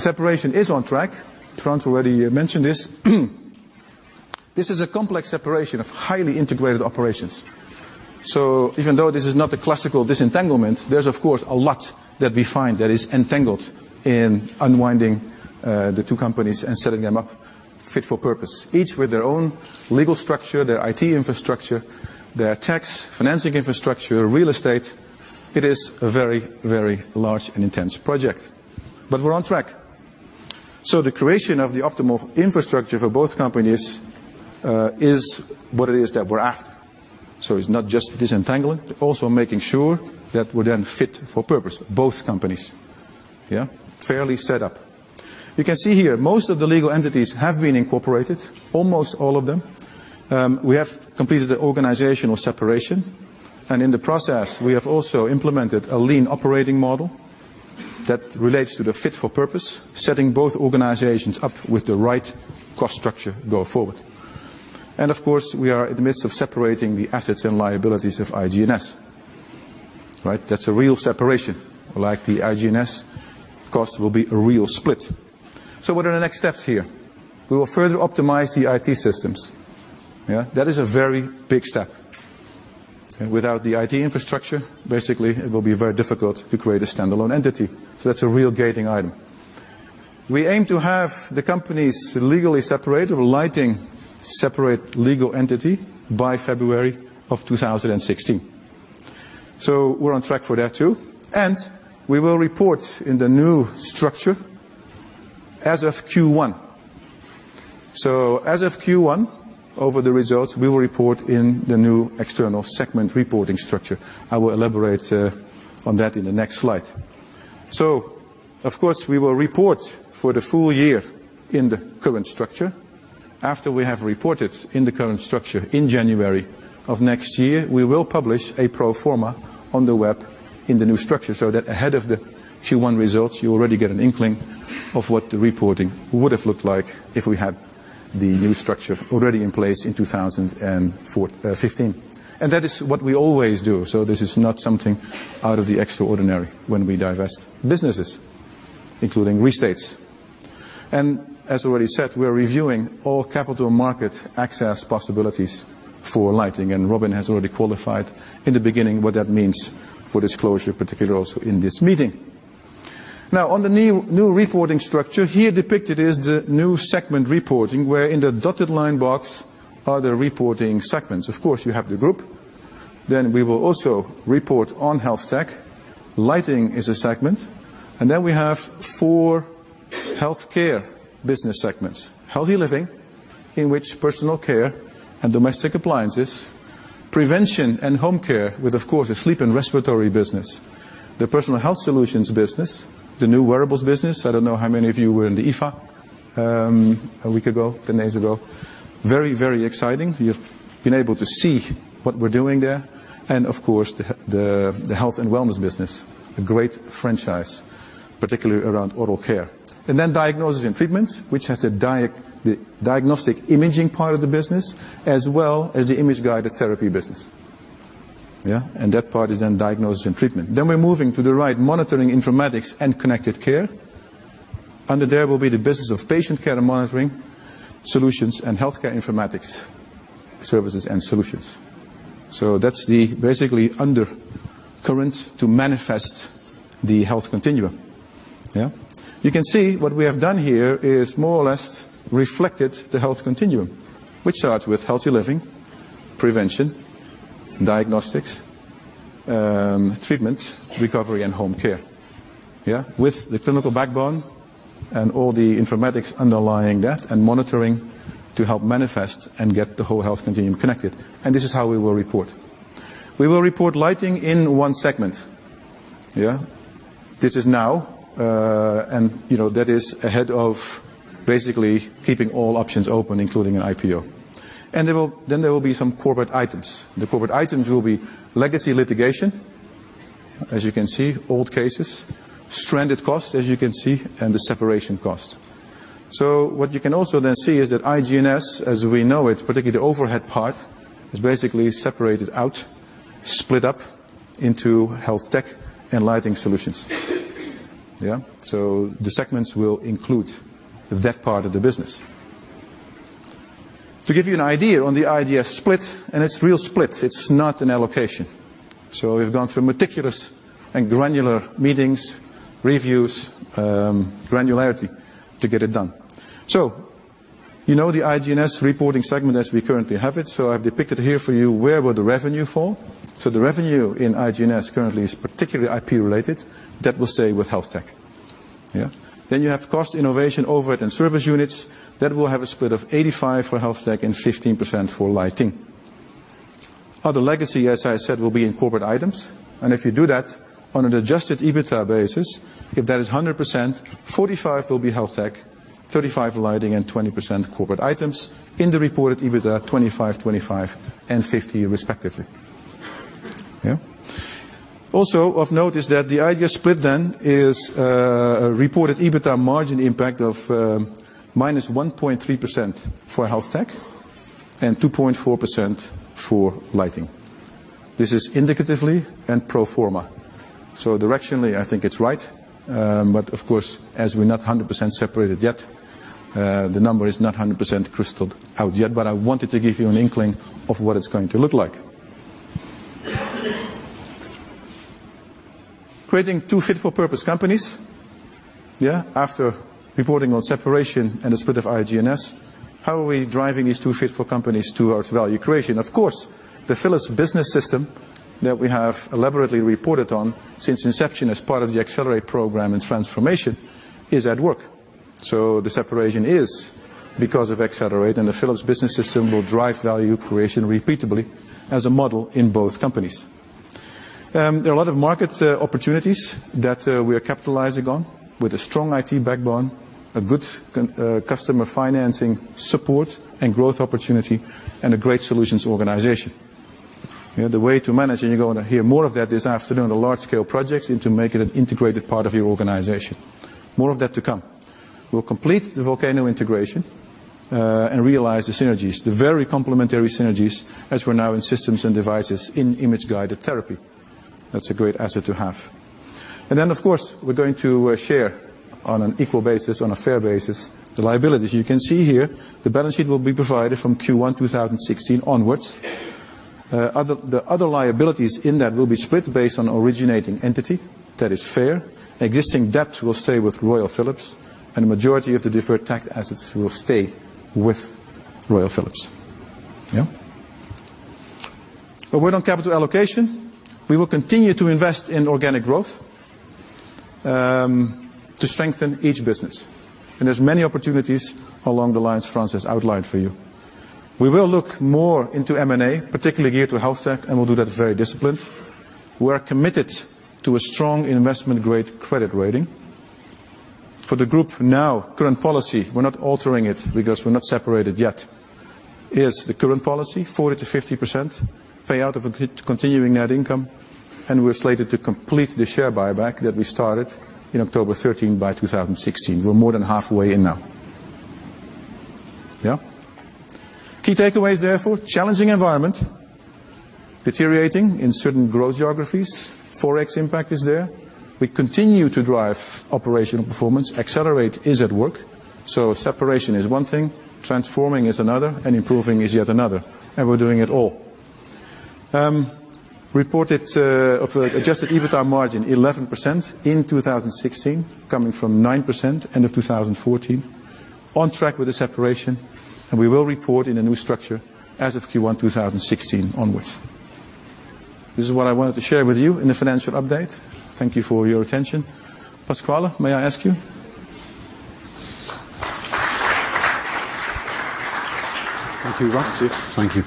separation is on track. Frans already mentioned this. This is a complex separation of highly integrated operations. Even though this is not a classical disentanglement, there's, of course, a lot that we find that is entangled in unwinding the two companies and setting them up fit for purpose, each with their own legal structure, their IT infrastructure, their tax financing infrastructure, real estate. It is a very, very large and intense project. We're on track. The creation of the optimal infrastructure for both companies, is what it is that we're after. It's not just disentangling, but also making sure that we're then fit for purpose, both companies. Fairly set up. You can see here most of the legal entities have been incorporated, almost all of them. We have completed the organizational separation, and in the process, we have also implemented a Lean operating model that relates to the fit for purpose, setting both organizations up with the right cost structure going forward. Of course, we are in the midst of separating the assets and liabilities of IG&S. That's a real separation. Like the IG&S cost will be a real split. What are the next steps here? We will further optimize the IT systems. That is a very big step. Without the IT infrastructure, basically, it will be very difficult to create a standalone entity. That's a real gating item. We aim to have the companies legally separated, with Lighting separate legal entity by February of 2016. We're on track for that, too. We will report in the new structure as of Q1. As of Q1, over the results, we will report in the new external segment reporting structure. I will elaborate on that in the next slide. Of course, we will report for the full year in the current structure. After we have reported in the current structure in January of next year, we will publish a pro forma on the web in the new structure so that ahead of the Q1 results, you already get an inkling of what the reporting would have looked like if we had the new structure already in place in 2015. That is what we always do. This is not something out of the extraordinary when we divest businesses, including restates. As already said, we are reviewing all capital market access possibilities for Lighting, and Robin has already qualified in the beginning what that means for disclosure, particularly also in this meeting. Now on the new reporting structure, here depicted is the new segment reporting, where in the dotted line box are the reporting segments. Of course, you have the group. We will also report on HealthTech. Lighting is a segment. Then we have four healthcare business segments, Healthy Living, in which Personal Care and Domestic Appliances, Prevention and Home Care with, of course, the Sleep and Respiratory business, the Personal Health Solutions business, the new Wearables business. I don't know how many of you were in the IFA a week ago, 10 days ago. Very, very exciting. You've been able to see what we're doing there. Of course, the Health and Wellness business, a great franchise, particularly around oral care. Diagnosis & Treatment, which has the diagnostic imaging part of the business, as well as the image-guided therapy business. That part is then Diagnosis & Treatment. We're moving to the right, monitoring informatics and Connected Care. Under there will be the business of Patient Care and Monitoring Solutions and Healthcare Informatics, Solutions & Services. That's basically under current to manifest the health continuum. You can see what we have done here is more or less reflected the health continuum, which starts with healthy living, prevention, diagnostics, treatment, recovery, and home care. With the clinical backbone and all the informatics underlying that and monitoring to help manifest and get the whole health continuum connected. This is how we will report. We will report lighting in one segment. This is now, that is ahead of basically keeping all options open, including an IPO. There will be some corporate items. The corporate items will be legacy litigation, as you can see, old cases, stranded costs, as you can see, and the separation cost. What you can also see is that IG&S, as we know it, particularly the overhead part, is basically separated out, split up into HealthTech and Lighting Solutions. The segments will include that part of the business. To give you an idea on the idea split, and it's real split, it's not an allocation. We've gone through meticulous and granular meetings, reviews, granularity to get it done. You know the IG&S reporting segment as we currently have it. I've depicted here for you where will the revenue fall. The revenue in IG&S currently is particularly IP-related. That will stay with HealthTech. You have cost innovation overhead and service units. That will have a split of 85 for HealthTech and 15% for Lighting. Other legacy, as I said, will be in corporate items. If you do that on an adjusted EBITA basis, if that is 100%, 45 will be HealthTech, 35 Lighting, and 20% corporate items. In the reported EBITA, 25, and 50 respectively. Also of note is that the idea split then is a reported EBITA margin impact of, -1.3% for HealthTech and 2.4% for Lighting. This is indicatively and pro forma. Directionally, I think it's right. Of course, as we're not 100% separated yet, the number is not 100% crystalled out yet. I wanted to give you an inkling of what it's going to look like. Creating two fit-for-purpose companies, after reporting on separation and the split of IG&S, how are we driving these two fit-for companies towards value creation? The Philips Business System that we have elaborately reported on since inception as part of the Accelerate! program and transformation is at work. The separation is because of Accelerate!, and the Philips Business System will drive value creation repeatably as a model in both companies. There are a lot of market opportunities that we are capitalizing on with a strong IT backbone, a good customer financing support and growth opportunity, a great solutions organization. The way to manage it, you're going to hear more of that this afternoon, the large-scale projects, to make it an integrated part of your organization. More of that to come. We'll complete the Volcano integration, and realize the synergies, the very complementary synergies, as we're now in systems and devices in image-guided therapy. That's a great asset to have. Of course, we're going to share on an equal basis, on a fair basis, the liabilities. You can see here the balance sheet will be provided from Q1 2016 onwards. The other liabilities in that will be split based on originating entity. That is fair. Existing debt will stay with Royal Philips, and the majority of the deferred tax assets will stay with Royal Philips. A word on capital allocation. We will continue to invest in organic growth, to strengthen each business. There's many opportunities along the lines Frans has outlined for you. We will look more into M&A, particularly geared to HealthTech, we'll do that very disciplined. We are committed to a strong investment-grade credit rating. For the group now, current policy, we're not altering it because we're not separated yet. Here's the current policy, 40%-50% payout of continuing net income, we're slated to complete the share buyback that we started in October 2013 by 2016. We're more than halfway in now. Key takeaways, therefore, challenging environment, deteriorating in certain growth geographies. Forex impact is there. We continue to drive operational performance. Accelerate! is at work. Separation is one thing, transforming is another, improving is yet another, we're doing it all. Reported adjusted EBITDA margin 11% in 2016, coming from 9% end of 2014. On track with the separation, we will report in a new structure as of Q1 2016 onwards. This is what I wanted to share with you in the financial update. Thank you for your attention. Pasquale, may I ask you? Thank you, Frans. Sure. Thank you.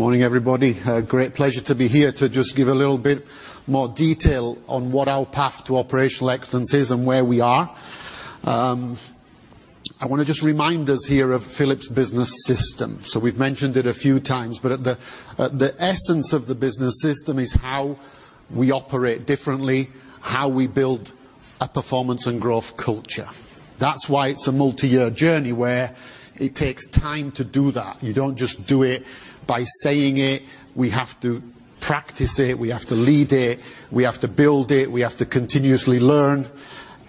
Morning, everybody. A great pleasure to be here to just give a little bit more detail on what our path to operational excellence is and where we are. I want to just remind us here of Philips Business System. We've mentioned it a few times, but the essence of the Business System is how we operate differently, how we build a performance and growth culture. That's why it's a multi-year journey where it takes time to do that. You don't just do it by saying it. We have to practice it. We have to lead it. We have to build it. We have to continuously learn,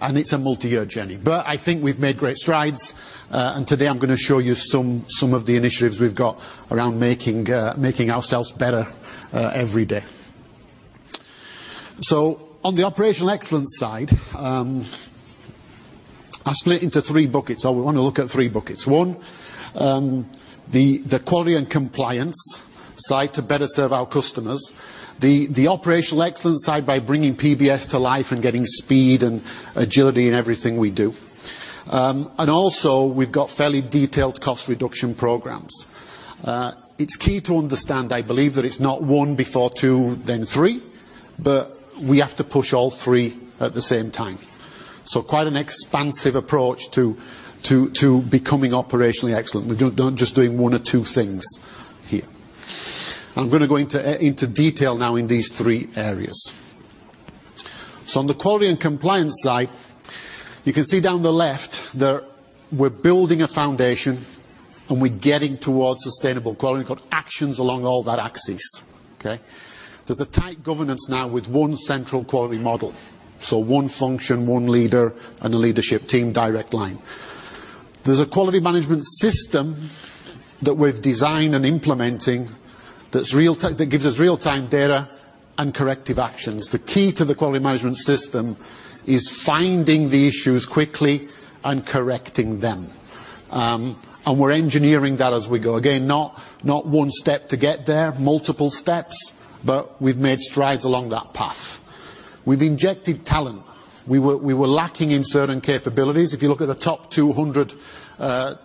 and it's a multi-year journey. I think we've made great strides, and today I'm going to show you some of the initiatives we've got around making ourselves better every day. On the operational excellence side, I split into three buckets, or we want to look at three buckets. One, the quality and compliance side to better serve our customers. The operational excellence side by bringing PBS to life and getting speed and agility in everything we do. Also we've got fairly detailed cost reduction programs. It's key to understand, I believe, that it's not one before two, then three, but we have to push all three at the same time. Quite an expansive approach to becoming operationally excellent. We're not just doing one or two things here. I'm going to go into detail now in these three areas. On the quality and compliance side, you can see down the left that we're building a foundation and we're getting towards sustainable quality. We've got actions along all that axis. Okay. There's a tight governance now with one central quality model. One function, one leader, and a leadership team direct line. There's a quality management system that we've designed and implementing that gives us real-time data and corrective actions. The key to the quality management system is finding the issues quickly and correcting them. We're engineering that as we go. Again, not one step to get there, multiple steps, but we've made strides along that path. We've injected talent. We were lacking in certain capabilities. If you look at the top 200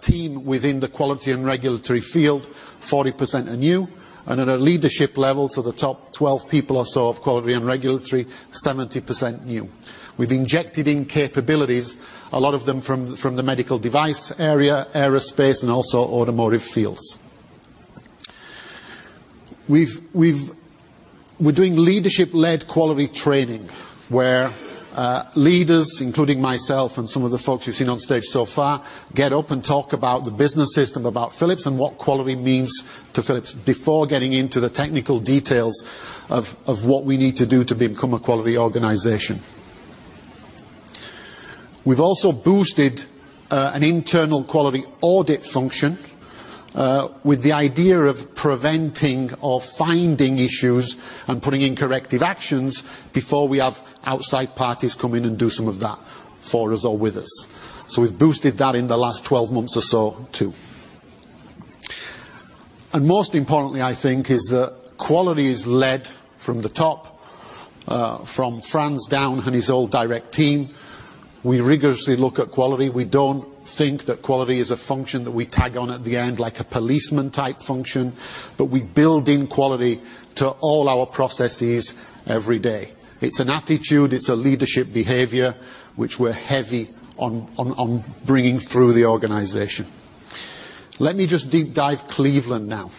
team within the quality and regulatory field, 40% are new, and at a leadership level, the top 12 people or so of quality and regulatory, 70% new. We've injected in capabilities, a lot of them from the medical device area, aerospace, and also automotive fields. We're doing leadership-led quality training, where leaders, including myself and some of the folks you've seen on stage so far, get up and talk about the Business System, about Philips, and what quality means to Philips before getting into the technical details of what we need to do to become a quality organization. We've also boosted an internal quality audit function, with the idea of preventing or finding issues and putting in corrective actions before we have outside parties come in and do some of that for us or with us. We've boosted that in the last 12 months or so, too. Most importantly, I think, is that quality is led from the top, from Frans down and his whole direct team. We rigorously look at quality. We don't think that quality is a function that we tag on at the end like a policeman-type function. We build in quality to all our processes every day. It's an attitude. It's a leadership behavior, which we're heavy on bringing through the organization. Let me just deep dive Cleveland now.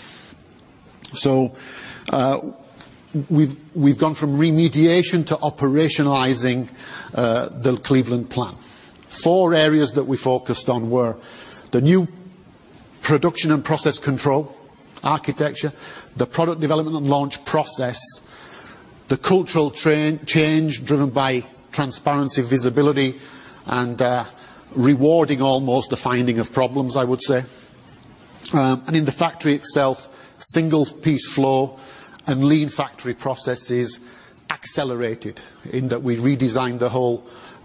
We've gone from remediation to operationalizing the Cleveland plan. Four areas that we focused on were the new production and process control architecture, the product development and launch process, the cultural change driven by transparency, visibility, and rewarding almost the finding of problems, I would say. In the factory itself, single-piece flow and Lean factory processes accelerated in that we redesigned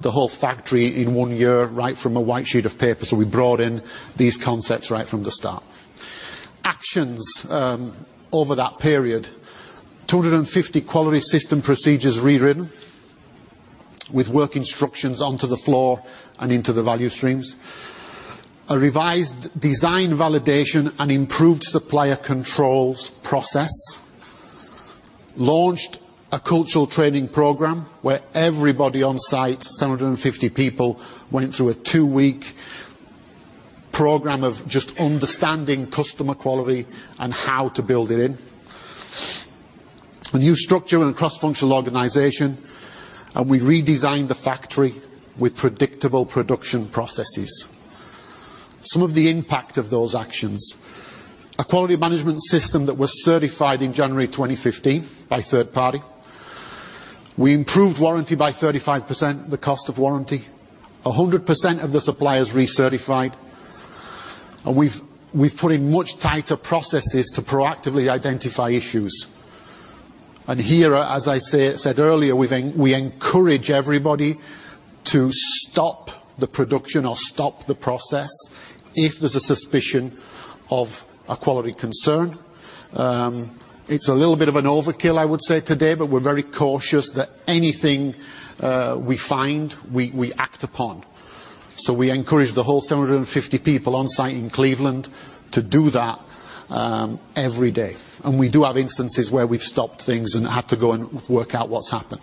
the whole factory in one year, right from a white sheet of paper. We brought in these concepts right from the start. Actions over that period. 250 quality system procedures rewritten with work instructions onto the floor and into the value streams. A revised design validation and improved supplier controls process. Launched a cultural training program where everybody on site, 750 people, went through a two-week program of just understanding customer quality and how to build it in. A new structure and a cross-functional organization, we redesigned the factory with predictable production processes. Some of the impact of those actions. A quality management system that was certified in January 2015 by a third party. We improved warranty by 35%, the cost of warranty. 100% of the suppliers recertified. We've put in much tighter processes to proactively identify issues. Here, as I said earlier, we encourage everybody to stop the production or stop the process if there's a suspicion of a quality concern. It's a little bit of an overkill, I would say, today, we're very cautious that anything we find, we act upon. We encourage the whole 750 people on site in Cleveland to do that every day. We do have instances where we've stopped things and had to go and work out what's happened.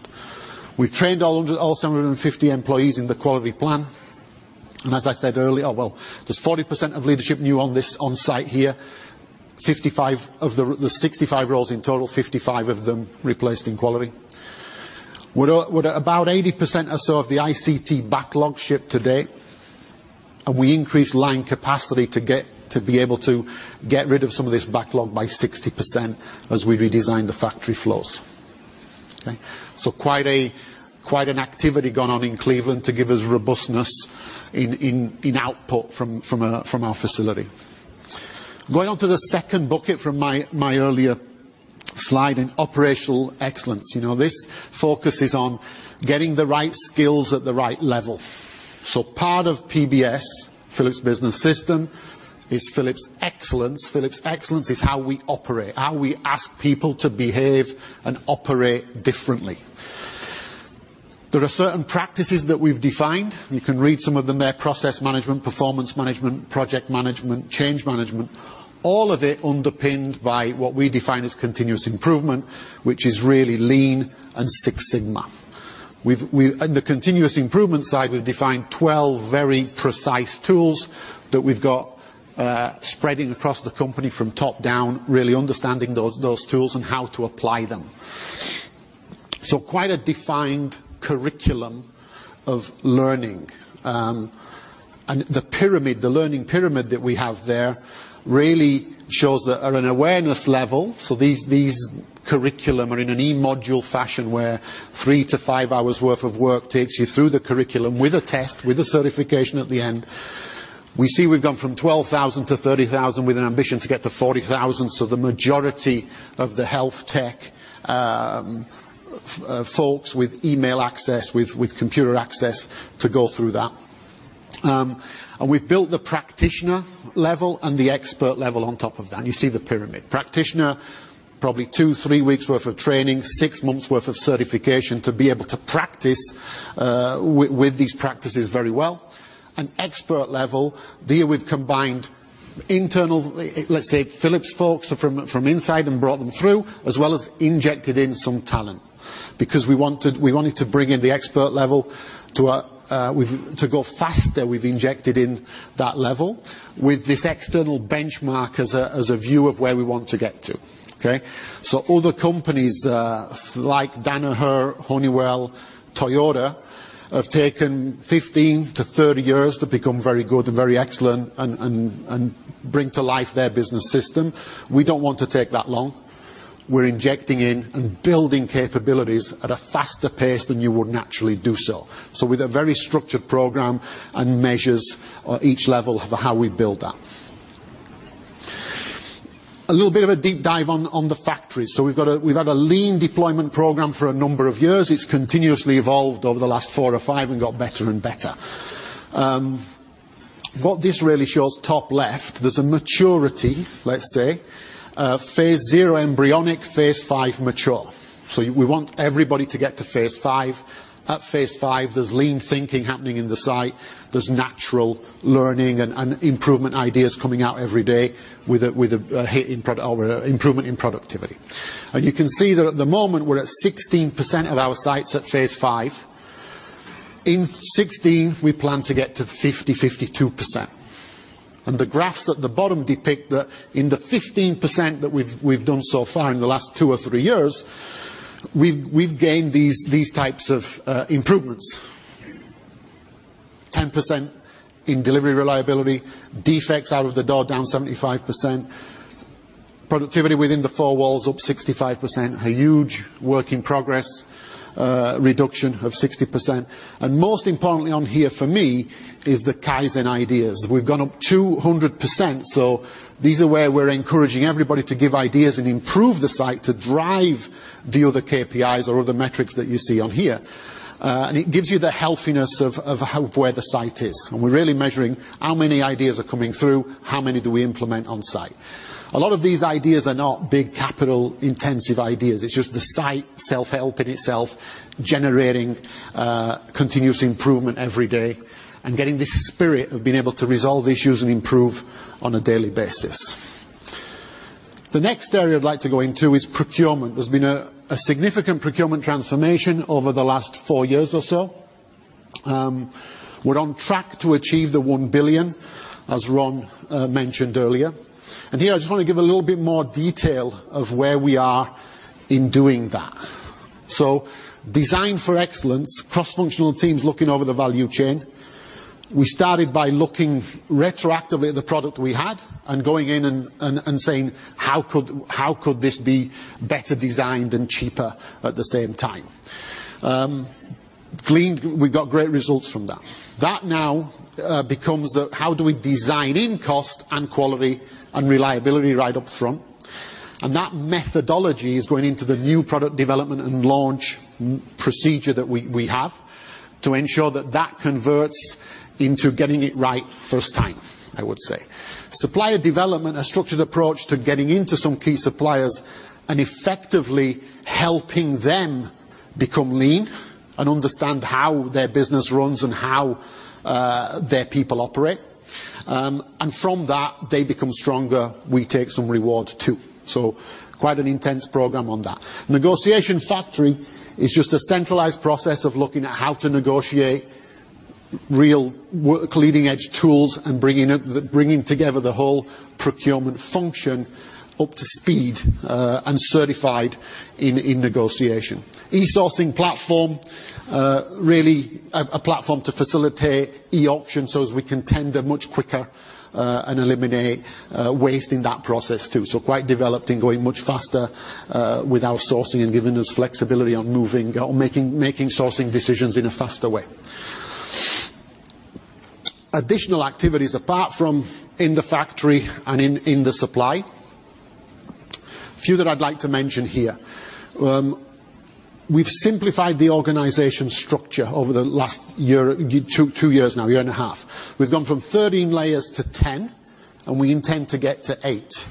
We trained all 750 employees in the quality plan. As I said earlier, well, there's 40% of leadership new on site here. Of the 65 roles in total, 55 of them replaced in quality. With about 80% or so of the iCT backlog shipped to date, we increased line capacity to be able to get rid of some of this backlog by 60% as we redesigned the factory floors. Okay. Quite an activity gone on in Cleveland to give us robustness in output from our facility. Going on to the second bucket from my earlier slide in operational excellence. This focus is on getting the right skills at the right level. Part of PBS, Philips Business System, is Philips Excellence. Philips Excellence is how we operate, how we ask people to behave and operate differently. There are certain practices that we've defined. You can read some of them there, process management, performance management, project management, change management, all of it underpinned by what we define as continuous improvement, which is really Lean and Six Sigma. On the continuous improvement side, we've defined 12 very precise tools that we've got spreading across the company from top down, really understanding those tools and how to apply them. Quite a defined curriculum of learning. The pyramid, the learning pyramid that we have there, really shows that at an awareness level, these curriculum are in an e-module fashion where three to five hours worth of work takes you through the curriculum with a test, with a certification at the end. We see we've gone from 12,000 to 30,000 with an ambition to get to 40,000. The majority of the HealthTech folks with email access, with computer access to go through that. We've built the practitioner level and the expert level on top of that, and you see the pyramid. Practitioner, probably two, three weeks worth of training, six months worth of certification to be able to practice with these practices very well. An expert level deal with combined internal, let's say, Philips folks from inside and brought them through, as well as injected in some talent. Because we wanted to bring in the expert level to go faster, we've injected in that level with this external benchmark as a view of where we want to get to. Okay. Other companies, like Danaher, Honeywell, Toyota, have taken 15 to 30 years to become very good and very excellent and bring to life their Business System. We don't want to take that long. We're injecting in and building capabilities at a faster pace than you would naturally do so. With a very structured program and measures each level of how we build that. A little bit of a deep dive on the factory. We've had a Lean deployment program for a number of years. It's continuously evolved over the last four or five and got better and better. What this really shows, top left, there's a maturity, let's say. Phase 0, embryonic. Phase 5, mature. We want everybody to get to Phase 5. At Phase 5, there's Lean thinking happening in the site. There's natural learning and improvement ideas coming out every day with improvement in productivity. You can see that at the moment, we're at 16% of our sites at Phase 5. In 2016, we plan to get to 50%-52%. The graphs at the bottom depict that in the 15% that we've done so far in the last two or three years, we've gained these types of improvements. 10% in delivery reliability. Defects out of the door, down 75%. Productivity within the four walls, up 65%. A huge work in progress, reduction of 60%. Most importantly on here for me is the Kaizen ideas. We've gone up 200%, these are where we're encouraging everybody to give ideas and improve the site to drive the other KPIs or other metrics that you see on here. It gives you the healthiness of where the site is, and we're really measuring how many ideas are coming through, how many do we implement on-site. A lot of these ideas are not big capital-intensive ideas. It's just the site self-helping itself, generating continuous improvement every day and getting this spirit of being able to resolve issues and improve on a daily basis. The next area I'd like to go into is procurement. There's been a significant procurement transformation over the last four years or so. We're on track to achieve the 1 billion, as Ron mentioned earlier. Here, I just want to give a little bit more detail of where we are in doing that. Design for Excellence, cross-functional teams looking over the value chain. We started by looking retroactively at the product we had and going in and saying, "How could this be better designed and cheaper at the same time?" We got great results from that. That now becomes the how do we design in cost and quality and reliability right up front. That methodology is going into the new product development and launch procedure that we have to ensure that that converts into getting it right first time, I would say. Supplier development, a structured approach to getting into some key suppliers and effectively helping them become Lean and understand how their business runs and how their people operate. From that, they become stronger. We take some reward too. Quite an intense program on that. Negotiation factory is just a centralized process of looking at how to negotiate real work leading-edge tools and bringing together the whole procurement function up to speed and certified in negotiation. E-sourcing platform, really a platform to facilitate e-auction as we can tender much quicker and eliminate waste in that process too. Quite developed and going much faster with our sourcing and giving us flexibility on making sourcing decisions in a faster way. Additional activities apart from in the factory and in the supply, few that I'd like to mention here. We've simplified the organization structure over the last two years now, year and a half. We've gone from 13 layers to 10, and we intend to get to eight.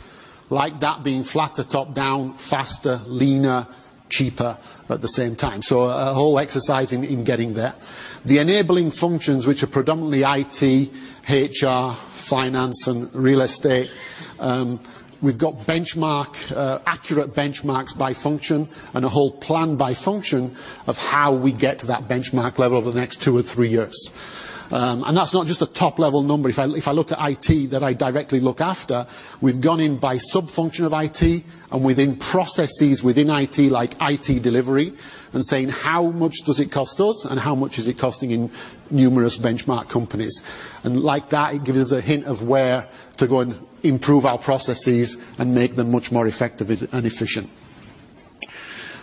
Like that being flatter, top-down, faster, leaner, cheaper at the same time. A whole exercise in getting there. The enabling functions, which are predominantly IT, HR, finance, and real estate, we've got accurate benchmarks by function and a whole plan by function of how we get to that benchmark level over the next two or three years. That's not just a top-level number. If I look at IT that I directly look after, we've gone in by sub-function of IT and within processes within IT, like IT delivery, and saying, how much does it cost us, and how much is it costing in numerous benchmark companies? Like that, it gives us a hint of where to go and improve our processes and make them much more effective and efficient.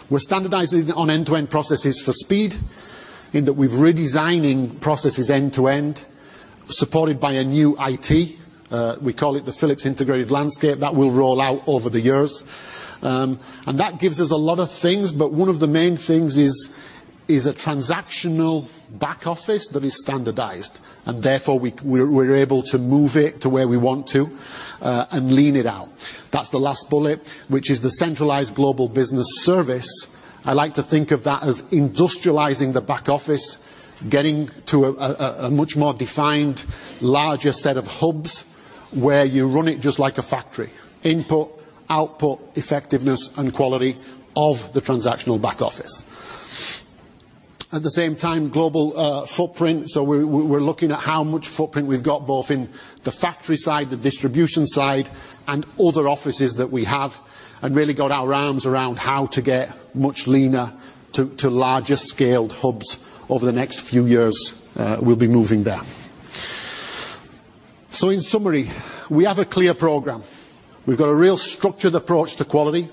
We're standardizing on end-to-end processes for speed in that we're redesigning processes end to end, supported by a new IT. We call it the Philips Integrated Landscape. That will roll out over the years. That gives us a lot of things, but one of the main things is a transactional back office that is standardized, and therefore, we're able to move it to where we want to, and lean it out. That's the last bullet, which is the centralized global business service. I like to think of that as industrializing the back office, getting to a much more defined, larger set of hubs where you run it just like a factory. Input, output, effectiveness, and quality of the transactional back office. At the same time, global footprint. We're looking at how much footprint we've got, both in the factory side, the distribution side, and other offices that we have, and really got our arms around how to get much leaner to larger-scaled hubs. Over the next few years, we'll be moving there. In summary, we have a clear program. We've got a real structured approach to quality.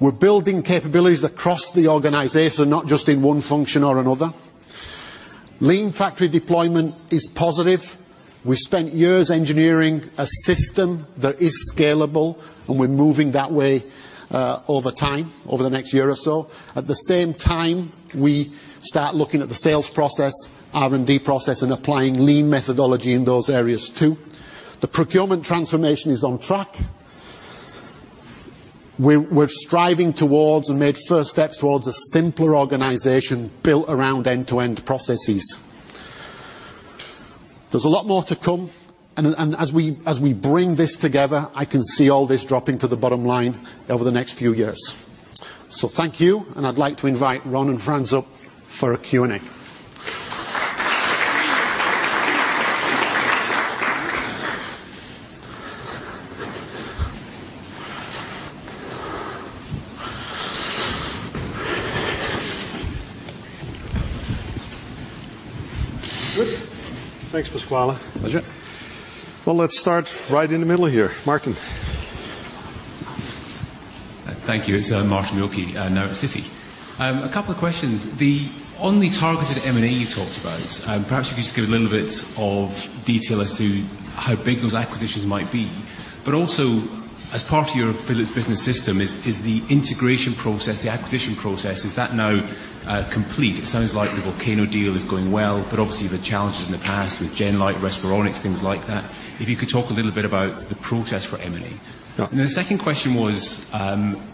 We're building capabilities across the organization, not just in one function or another. Lean factory deployment is positive. We spent years engineering a system that is scalable, and we're moving that way over time, over the next year or so. At the same time, we start looking at the sales process, R&D process, and applying Lean methodology in those areas too. The procurement transformation is on track. We're striving towards and made first steps towards a simpler organization built around end-to-end processes. There's a lot more to come, and as we bring this together, I can see all this dropping to the bottom line over the next few years. Thank you, and I'd like to invite Ron and Frans up for a Q&A. Good. Thanks, Pasquale. Pleasure. Let's start right in the middle here. Martin. Thank you. It's Martin Wilkie now at Citi. A couple of questions. On the targeted M&A you talked about, perhaps you could just give a little bit of detail as to how big those acquisitions might be. Also, as part of your Philips Business System, is the integration process, the acquisition process, is that now complete? It sounds like the Volcano deal is going well, obviously, you've had challenges in the past with Genlyte, Respironics, things like that. If you could talk a little bit about the process for M&A. Yeah. The second question was,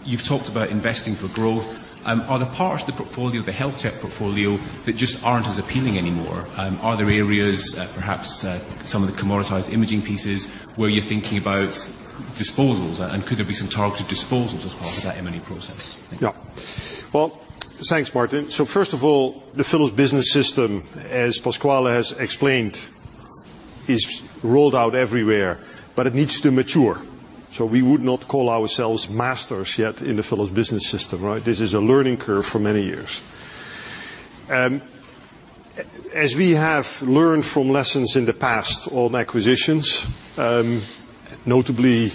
you've talked about investing for growth. Are there parts of the portfolio, the HealthTech portfolio, that just aren't as appealing anymore? Are there areas, perhaps some of the commoditized imaging pieces, where you're thinking about disposals, and could there be some targeted disposals as part of that M&A process? Yeah. Well, thanks, Martin Wilkie. First of all, the Philips Business System, as Pasquale Abruzzese has explained, is rolled out everywhere, but it needs to mature. We would not call ourselves masters yet in the Philips Business System, right? This is a learning curve for many years. As we have learned from lessons in the past on acquisitions, notably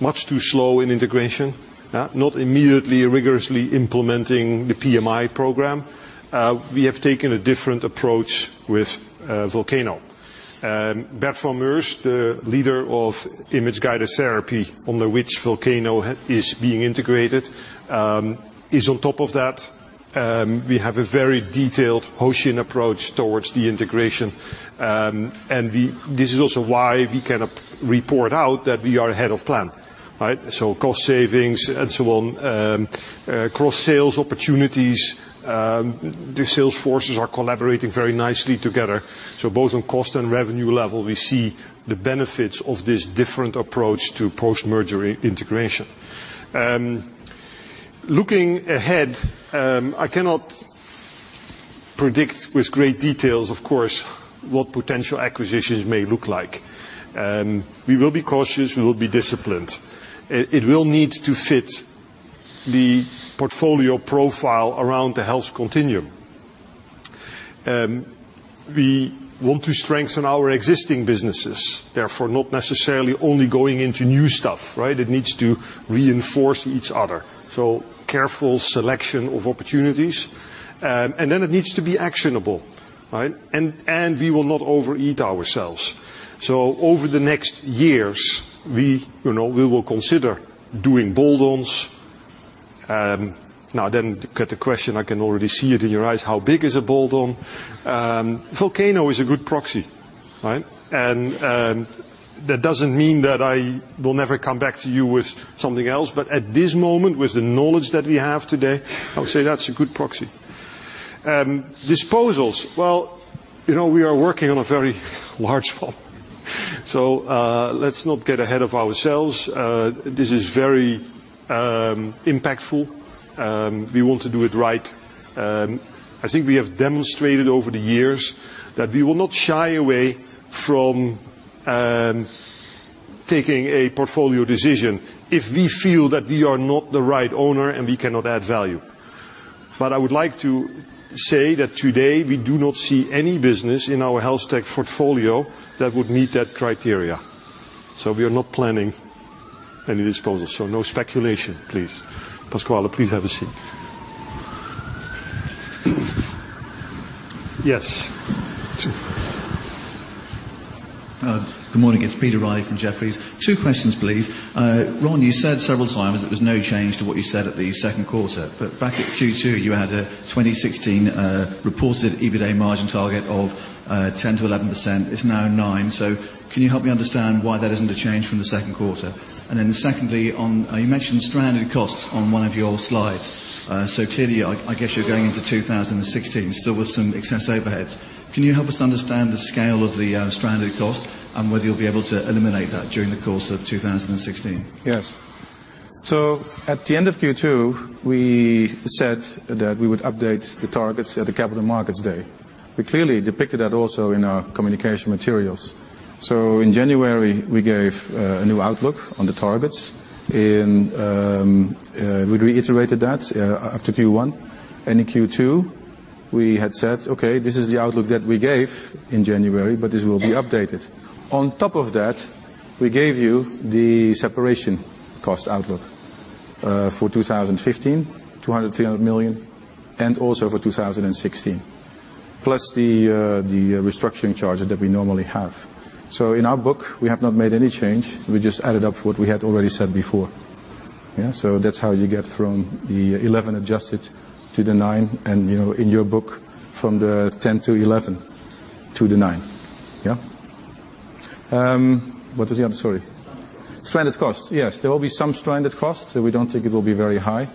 much too slow in integration, not immediately rigorously implementing the PMI program, we have taken a different approach with Volcano Corporation. Bert van Meurs, the leader of image-guided therapy under which Volcano Corporation is being integrated, is on top of that. We have a very detailed Hoshin approach towards the integration. This is also why we can report out that we are ahead of plan. Cost savings and so on, cross-sales opportunities. The sales forces are collaborating very nicely together. Both on cost and revenue level, we see the benefits of this different approach to post-merger integration. Looking ahead, I cannot predict with great details, of course, what potential acquisitions may look like. We will be cautious. We will be disciplined. It will need to fit the portfolio profile around the health continuum. We want to strengthen our existing businesses, therefore, not necessarily only going into new stuff. It needs to reinforce each other. Careful selection of opportunities. It needs to be actionable. We will not overeat ourselves. Over the next years, we will consider doing bolt-ons. Now then, got a question, I can already see it in your eyes. How big is a bolt-on? Volcano Corporation is a good proxy. That doesn't mean that I will never come back to you with something else. At this moment, with the knowledge that we have today, I would say that's a good proxy. Disposals. Well, we are working on a very large one, let's not get ahead of ourselves. This is very impactful. We want to do it right. I think we have demonstrated over the years that we will not shy away from taking a portfolio decision if we feel that we are not the right owner and we cannot add value. I would like to say that today we do not see any business in our HealthTech portfolio that would meet that criteria. We are not planning any disposals. No speculation, please. Pasquale Abruzzese, please have a seat. Yes. Good morning. It's Peter Reilly from Jefferies. Two questions, please. Ron, you said several times that there was no change to what you said at the second quarter, but back at Q2, you had a 2016 reported EBITA margin target of 10%-11%. It's now 9%. Can you help me understand why that isn't a change from the second quarter? Secondly, you mentioned stranded costs on one of your slides. Clearly, I guess you're going into 2016 still with some excess overheads. Can you help us understand the scale of the stranded cost and whether you'll be able to eliminate that during the course of 2016? Yes. At the end of Q2, we said that we would update the targets at the Capital Markets Day. We clearly depicted that also in our communication materials. In January, we gave a new outlook on the targets, and we reiterated that after Q1 and in Q2, we had said, "Okay, this is the outlook that we gave in January, but this will be updated." On top of that, we gave you the separation cost outlook for 2015, 200 million, 300 million, and also for 2016, plus the restructuring charges that we normally have. In our book, we have not made any change. We just added up what we had already said before. That's how you get from the 11 adjusted to the nine and, in your book, from the 10%-11% to the 9%. What was the other? Sorry. Stranded costs. Stranded costs. Yes. There will be some stranded costs. We don't think it will be very high.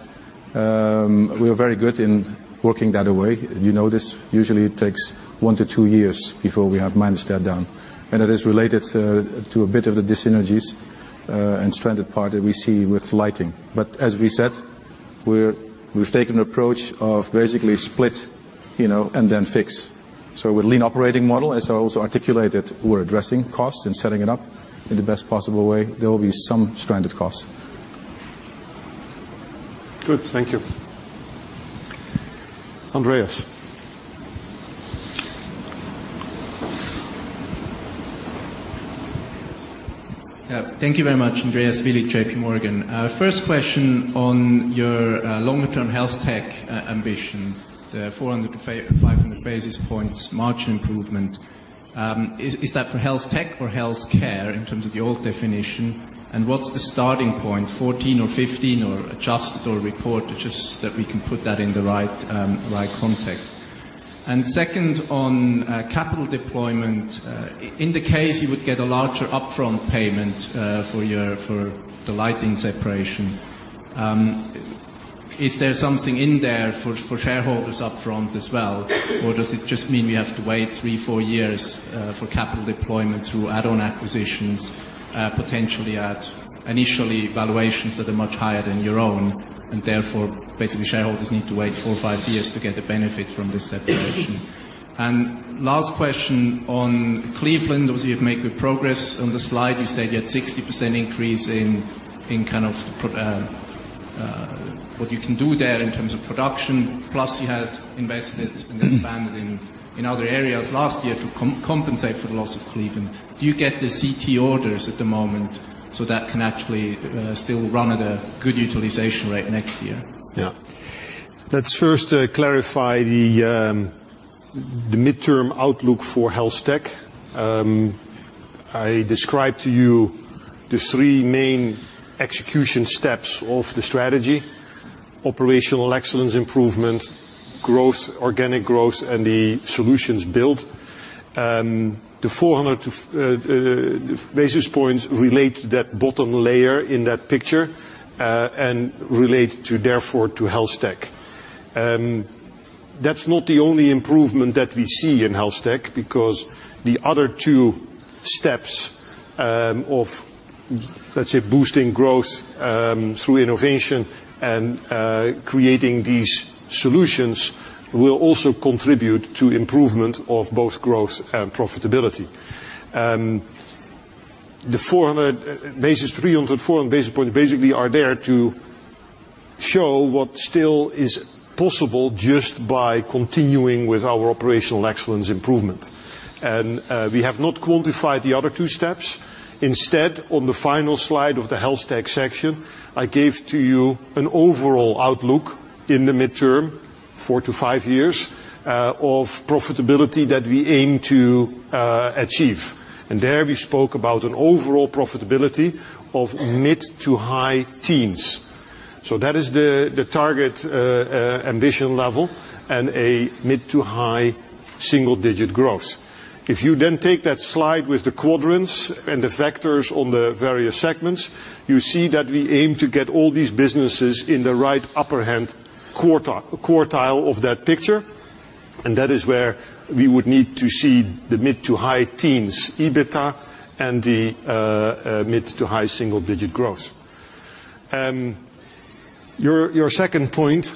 We are very good in working that away. You know this. Usually, it takes one to two years before we have managed that down, and it is related to a bit of the dis-synergies and stranded part that we see with lighting. As we said, we've taken the approach of basically split and then fix. With Lean operating model, as I also articulated, we're addressing costs and setting it up in the best possible way. There will be some stranded costs. Good. Thank you. Andreas. Thank you very much. Andreas Willi, J.P. Morgan. First question on your longer-term HealthTech ambition, the 400 to 500 basis points margin improvement. Is that for HealthTech or healthcare in terms of the old definition, and what's the starting point, 2014 or 2015, or adjusted or reported? Just that we can put that in the right context. Second, on capital deployment. In the case you would get a larger upfront payment for the lighting separation, is there something in there for shareholders up front as well? Or does it just mean we have to wait three, four years for capital deployment through add-on acquisitions, potentially at initially valuations that are much higher than your own, and therefore, basically shareholders need to wait four or five years to get the benefit from this separation? Last question on Cleveland. Obviously, you've made good progress. On the slide, you said you had 60% increase in kind of what you can do there in terms of production, plus you had invested and expanded in other areas last year to compensate for the loss of Cleveland. Do you get the CT orders at the moment so that can actually still run at a good utilization rate next year? Yeah. Let's first clarify the midterm outlook for HealthTech. I described to you the three main execution steps of the strategy: operational excellence improvement, organic growth, and the solutions built. The 400 basis points relate to that bottom layer in that picture, and relate therefore to HealthTech. That's not the only improvement that we see in HealthTech, because the other two steps of, let's say, boosting growth through innovation and creating these solutions, will also contribute to improvement of both growth and profitability. The 300, 400 basis points, basically are there to show what still is possible just by continuing with our operational excellence improvement. We have not quantified the other two steps. Instead, on the final slide of the HealthTech section, I gave to you an overall outlook in the midterm, 4 to 5 years, of profitability that we aim to achieve. There we spoke about an overall profitability of mid to high teens. That is the target ambition level, and a mid to high single-digit growth. If you then take that slide with the quadrants and the vectors on the various segments, you see that we aim to get all these businesses in the right upper hand quartile of that picture. That is where we would need to see the mid to high teens EBITDA and the mid to high single-digit growth. Your second point,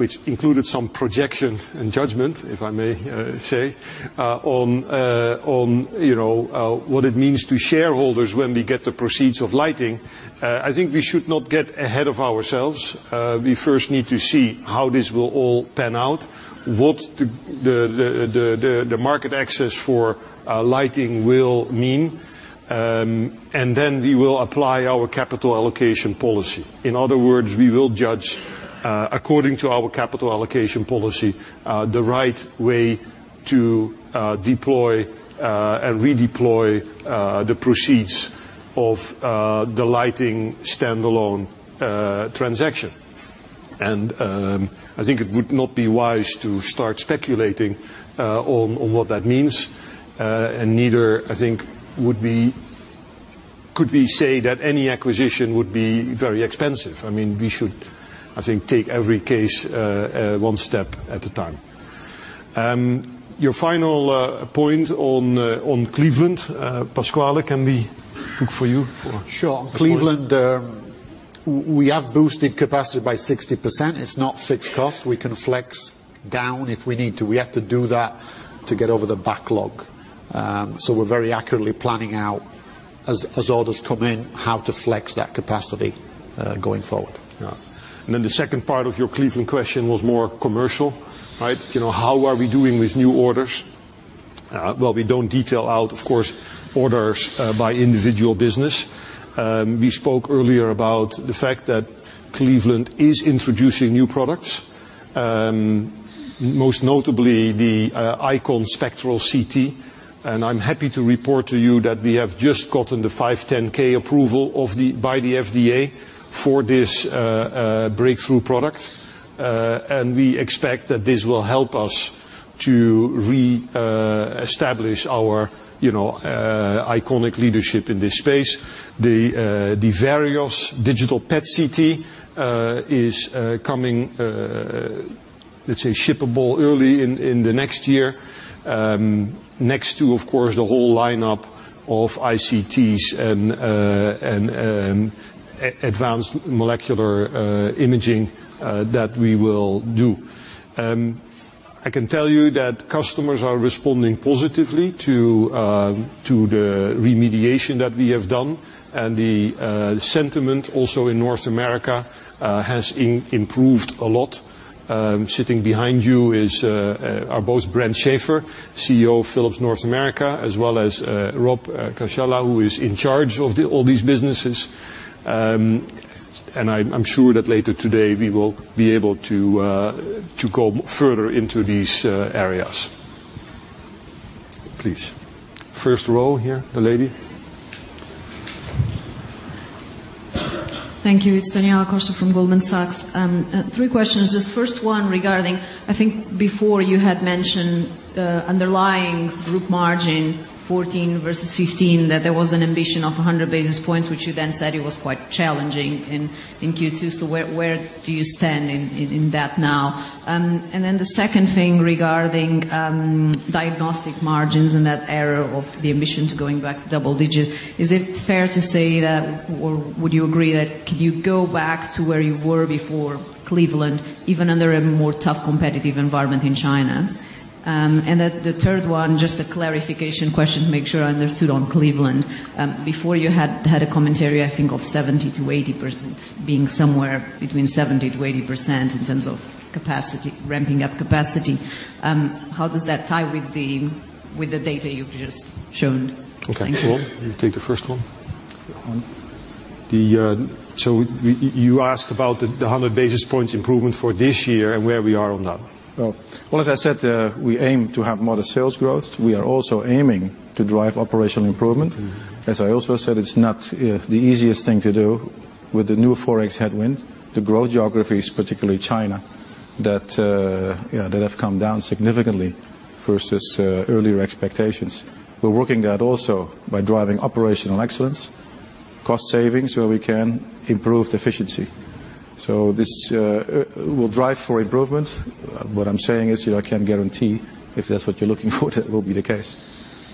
which included some projection and judgment, if I may say, on what it means to shareholders when we get the proceeds of lighting. I think we should not get ahead of ourselves. We first need to see how this will all pan out, what the market access for lighting will mean, then we will apply our capital allocation policy. In other words, we will judge, according to our capital allocation policy, the right way to deploy and redeploy the proceeds of the lighting standalone transaction. I think it would not be wise to start speculating on what that means. Neither, I think, could we say that any acquisition would be very expensive. We should, I think, take every case one step at a time. Your final point on Cleveland. Pasquale, can we look for you? Sure. Cleveland, we have boosted capacity by 60%. It's not fixed costs. We can flex down if we need to. We had to do that to get over the backlog. We're very accurately planning out, as orders come in, how to flex that capacity going forward. Yeah. The second part of your Cleveland question was more commercial. How are we doing with new orders? Well, we don't detail out, of course, orders by individual business. We spoke earlier about the fact that Cleveland is introducing new products. Most notably, the IQon Spectral CT. I'm happy to report to you that we have just gotten the 510(k) approval by the FDA for this breakthrough product. We expect that this will help us to reestablish our iconic leadership in this space. The Vereos digital PET/CT is coming, shippable early in the next year. Next to, of course, the whole lineup of iCTs and advanced molecular imaging that we will do. I can tell you that customers are responding positively to the remediation that we have done, and the sentiment also in North America has improved a lot. Sitting behind you are both Brent Shafer, CEO of Philips North America, as well as Robert Cascella, who is in charge of all these businesses. I'm sure that later today we will be able to go further into these areas. Please. First row here, the lady. Thank you. It's Daniela Costa from Goldman Sachs. Three questions. First one regarding, I think before you had mentioned underlying group margin 2014 versus 2015, that there was an ambition of 100 basis points, which you then said it was quite challenging in Q2. Where do you stand in that now? The second thing regarding diagnostic margins and that area of the ambition to going back to double-digit. Is it fair to say that, or would you agree that could you go back to where you were before Cleveland, even under a more tough competitive environment in China? The third one, a clarification question to make sure I understood on Cleveland. Before you had a commentary, I think of 70%-80%, being somewhere between 70%-80% in terms of ramping up capacity. How does that tie with the data you've just shown? Thank you. Okay, cool. You take the first one? The first one You asked about the 100 basis points improvement for this year and where we are on that. Well, as I said, we aim to have modest sales growth. We are also aiming to drive operational improvement. As I also said, it's not the easiest thing to do with the new ForEx headwind, the growth geographies, particularly China, that have come down significantly versus earlier expectations. We're working that also by driving operational excellence, cost savings, where we can improve the efficiency. This will drive for improvement. What I'm saying is, I can't guarantee, if that's what you're looking for that will be the case.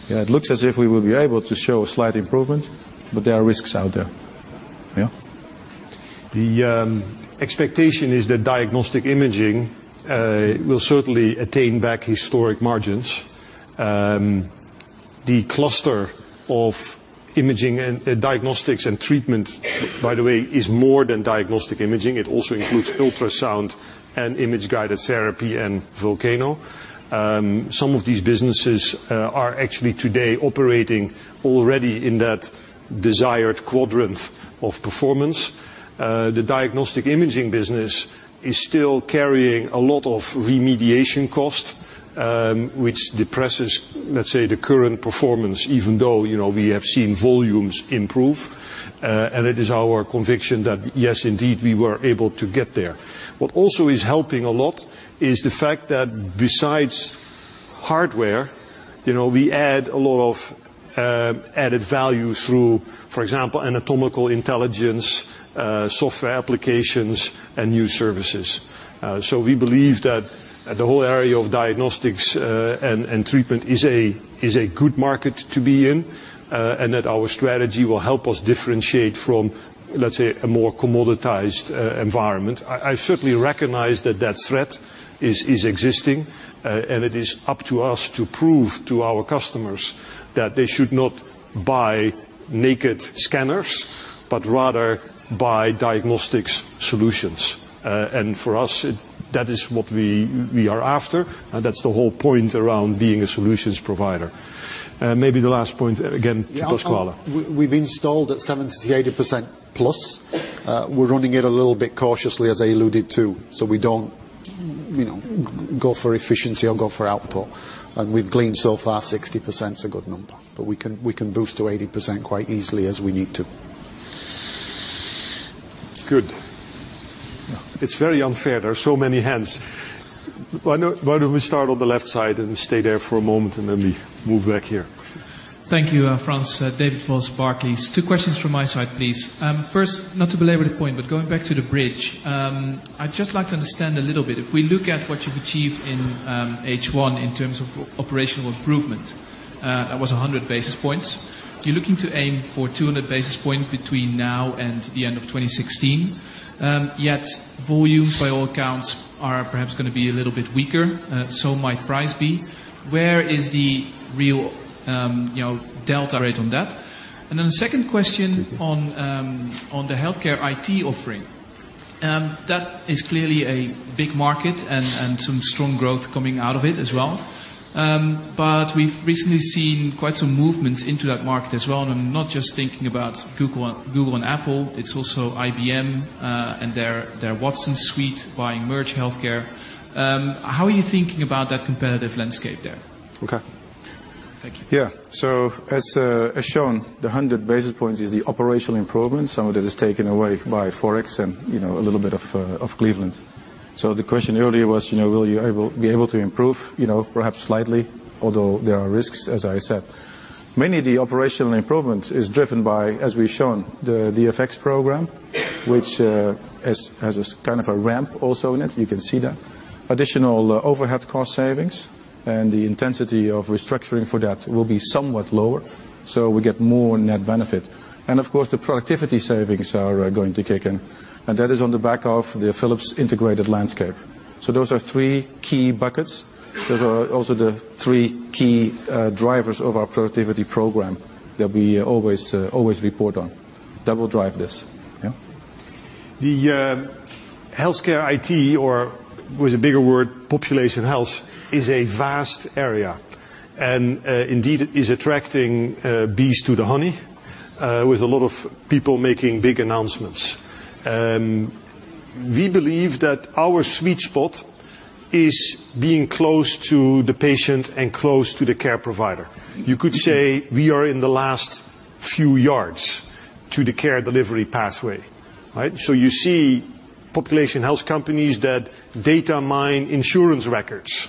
It looks as if we will be able to show a slight improvement, but there are risks out there. Yeah? The expectation is that diagnostic imaging will certainly attain back historic margins. The cluster of imaging and diagnostics and treatment, by the way, is more than diagnostic imaging. It also includes ultrasound and image-guided therapy and Volcano. Some of these businesses are actually today operating already in that desired quadrant of performance. The diagnostic imaging business is still carrying a lot of remediation cost, which depresses, let's say, the current performance, even though, we have seen volumes improve. It is our conviction that yes, indeed, we were able to get there. What also is helping a lot is the fact that besides hardware, we add a lot of added value through, for example, Anatomical Intelligence, software applications, and new services. We believe that the whole area of Diagnosis & Treatment is a good market to be in, and that our strategy will help us differentiate from, let's say, a more commoditized environment. I certainly recognize that that threat is existing, and it is up to us to prove to our customers that they should not buy naked scanners, but rather buy diagnostics solutions. For us, that is what we are after, and that's the whole point around being a solutions provider. Maybe the last point again to Pasquale Abruzzese. We've installed at 70%-80%+. We're running it a little bit cautiously, as I alluded to, we don't go for efficiency or go for output. We've gleaned so far, 60%'s a good number, but we can boost to 80% quite easily as we need to. Good. It's very unfair. There are so many hands. Why don't we start on the left side and stay there for a moment, and then we move back here? Thank you, Frans. David Vos, Barclays. Two questions from my side, please. First, not to belabor the point, but going back to the bridge. I'd just like to understand a little bit. If we look at what you've achieved in H1 in terms of operational improvement, that was 100 basis points. You're looking to aim for 200 basis point between now and the end of 2016. Yet volume, by all accounts, are perhaps going to be a little bit weaker, so might price be. Where is the real delta rate on that? Then the second question on the healthcare IT offering. That is clearly a big market and some strong growth coming out of it as well. We've recently seen quite some movements into that market as well, and I'm not just thinking about Google and Apple. It's also IBM and their Watson suite buying Merge Healthcare. How are you thinking about that competitive landscape there? Okay. Thank you. Yeah. As shown, the 100 basis points is the operational improvement. Some of that is taken away by ForEx and a little bit of Cleveland. The question earlier was, will you be able to improve? Perhaps slightly, although there are risks, as I said. Mainly, the operational improvement is driven by, as we've shown, the DfX program, which has a kind of a ramp also in it. You can see that. Additional overhead cost savings and the intensity of restructuring for that will be somewhat lower. We get more net benefit. Of course, the productivity savings are going to kick in. That is on the back of the Philips Integrated Landscape. Those are three key buckets. Those are also the three key drivers of our productivity program that we always report on. That will drive this. Yeah. The healthcare IT, or with a bigger word, population health, is a vast area, and indeed is attracting bees to the honey, with a lot of people making big announcements. We believe that our sweet spot is being close to the patient and close to the care provider. You could say we are in the last few yards to the care delivery pathway. Right? You see population health companies that data mine insurance records.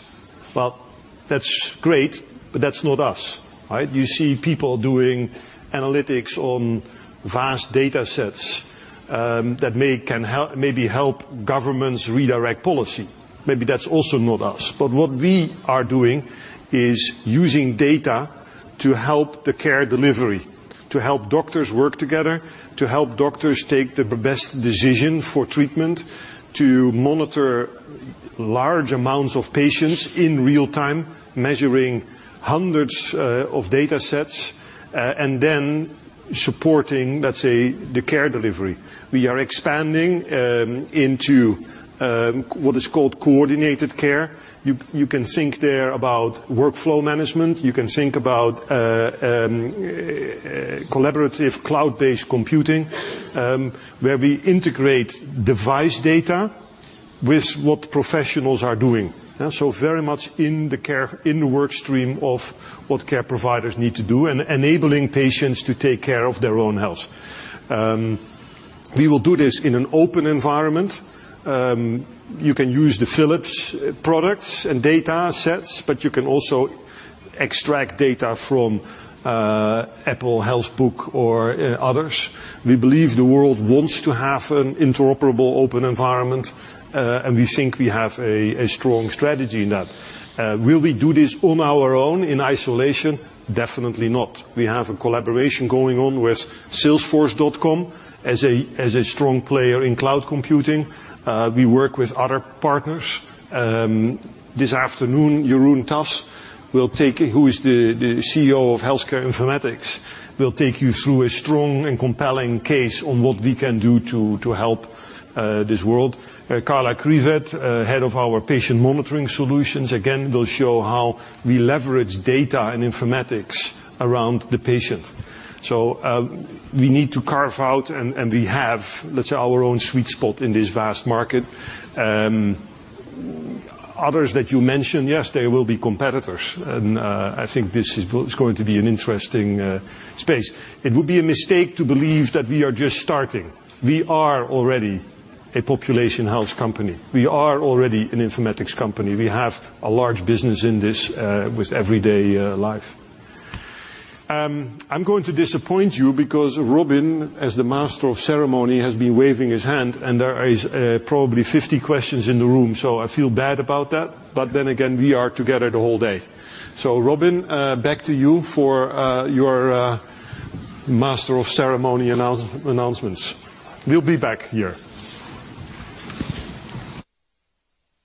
Well, that's great, but that's not us. Right? You see people doing analytics on vast data sets that maybe help governments redirect policy. Maybe that's also not us. What we are doing is using data to help the care delivery, to help doctors work together, to help doctors take the best decision for treatment, to monitor large amounts of patients in real-time, measuring hundreds of data sets, and then supporting, let's say, the care delivery. We are expanding into what is called coordinated care. You can think there about workflow management. You can think about collaborative cloud-based computing, where we integrate device data with what professionals are doing. Very much in the work stream of what care providers need to do, and enabling patients to take care of their own health. We will do this in an open environment. You can use the Philips products and data sets, but you can also extract data from Apple HealthKit or others. We believe the world wants to have an interoperable open environment, and we think we have a strong strategy in that. Will we do this on our own in isolation? Definitely not. We have a collaboration going on with salesforce.com as a strong player in cloud computing. We work with other partners. This afternoon, Jeroen Tas, who is the CEO of Healthcare Informatics, will take you through a strong and compelling case on what we can do to help this world. Carla Kriwet, head of our Patient Monitoring Solutions, again, will show how we leverage data and informatics around the patient. We need to carve out, and we have, let's say, our own sweet spot in this vast market. Others that you mentioned, yes, they will be competitors, and I think this is going to be an interesting space. It would be a mistake to believe that we are just starting. We are already a population health company. We are already an informatics company. We have a large business in this with everyday life. I'm going to disappoint you because Robin, as the master of ceremony, has been waving his hand, and there is probably 50 questions in the room. I feel bad about that, again, we are together the whole day. Robin, back to you for your master of ceremony announcements. We'll be back here.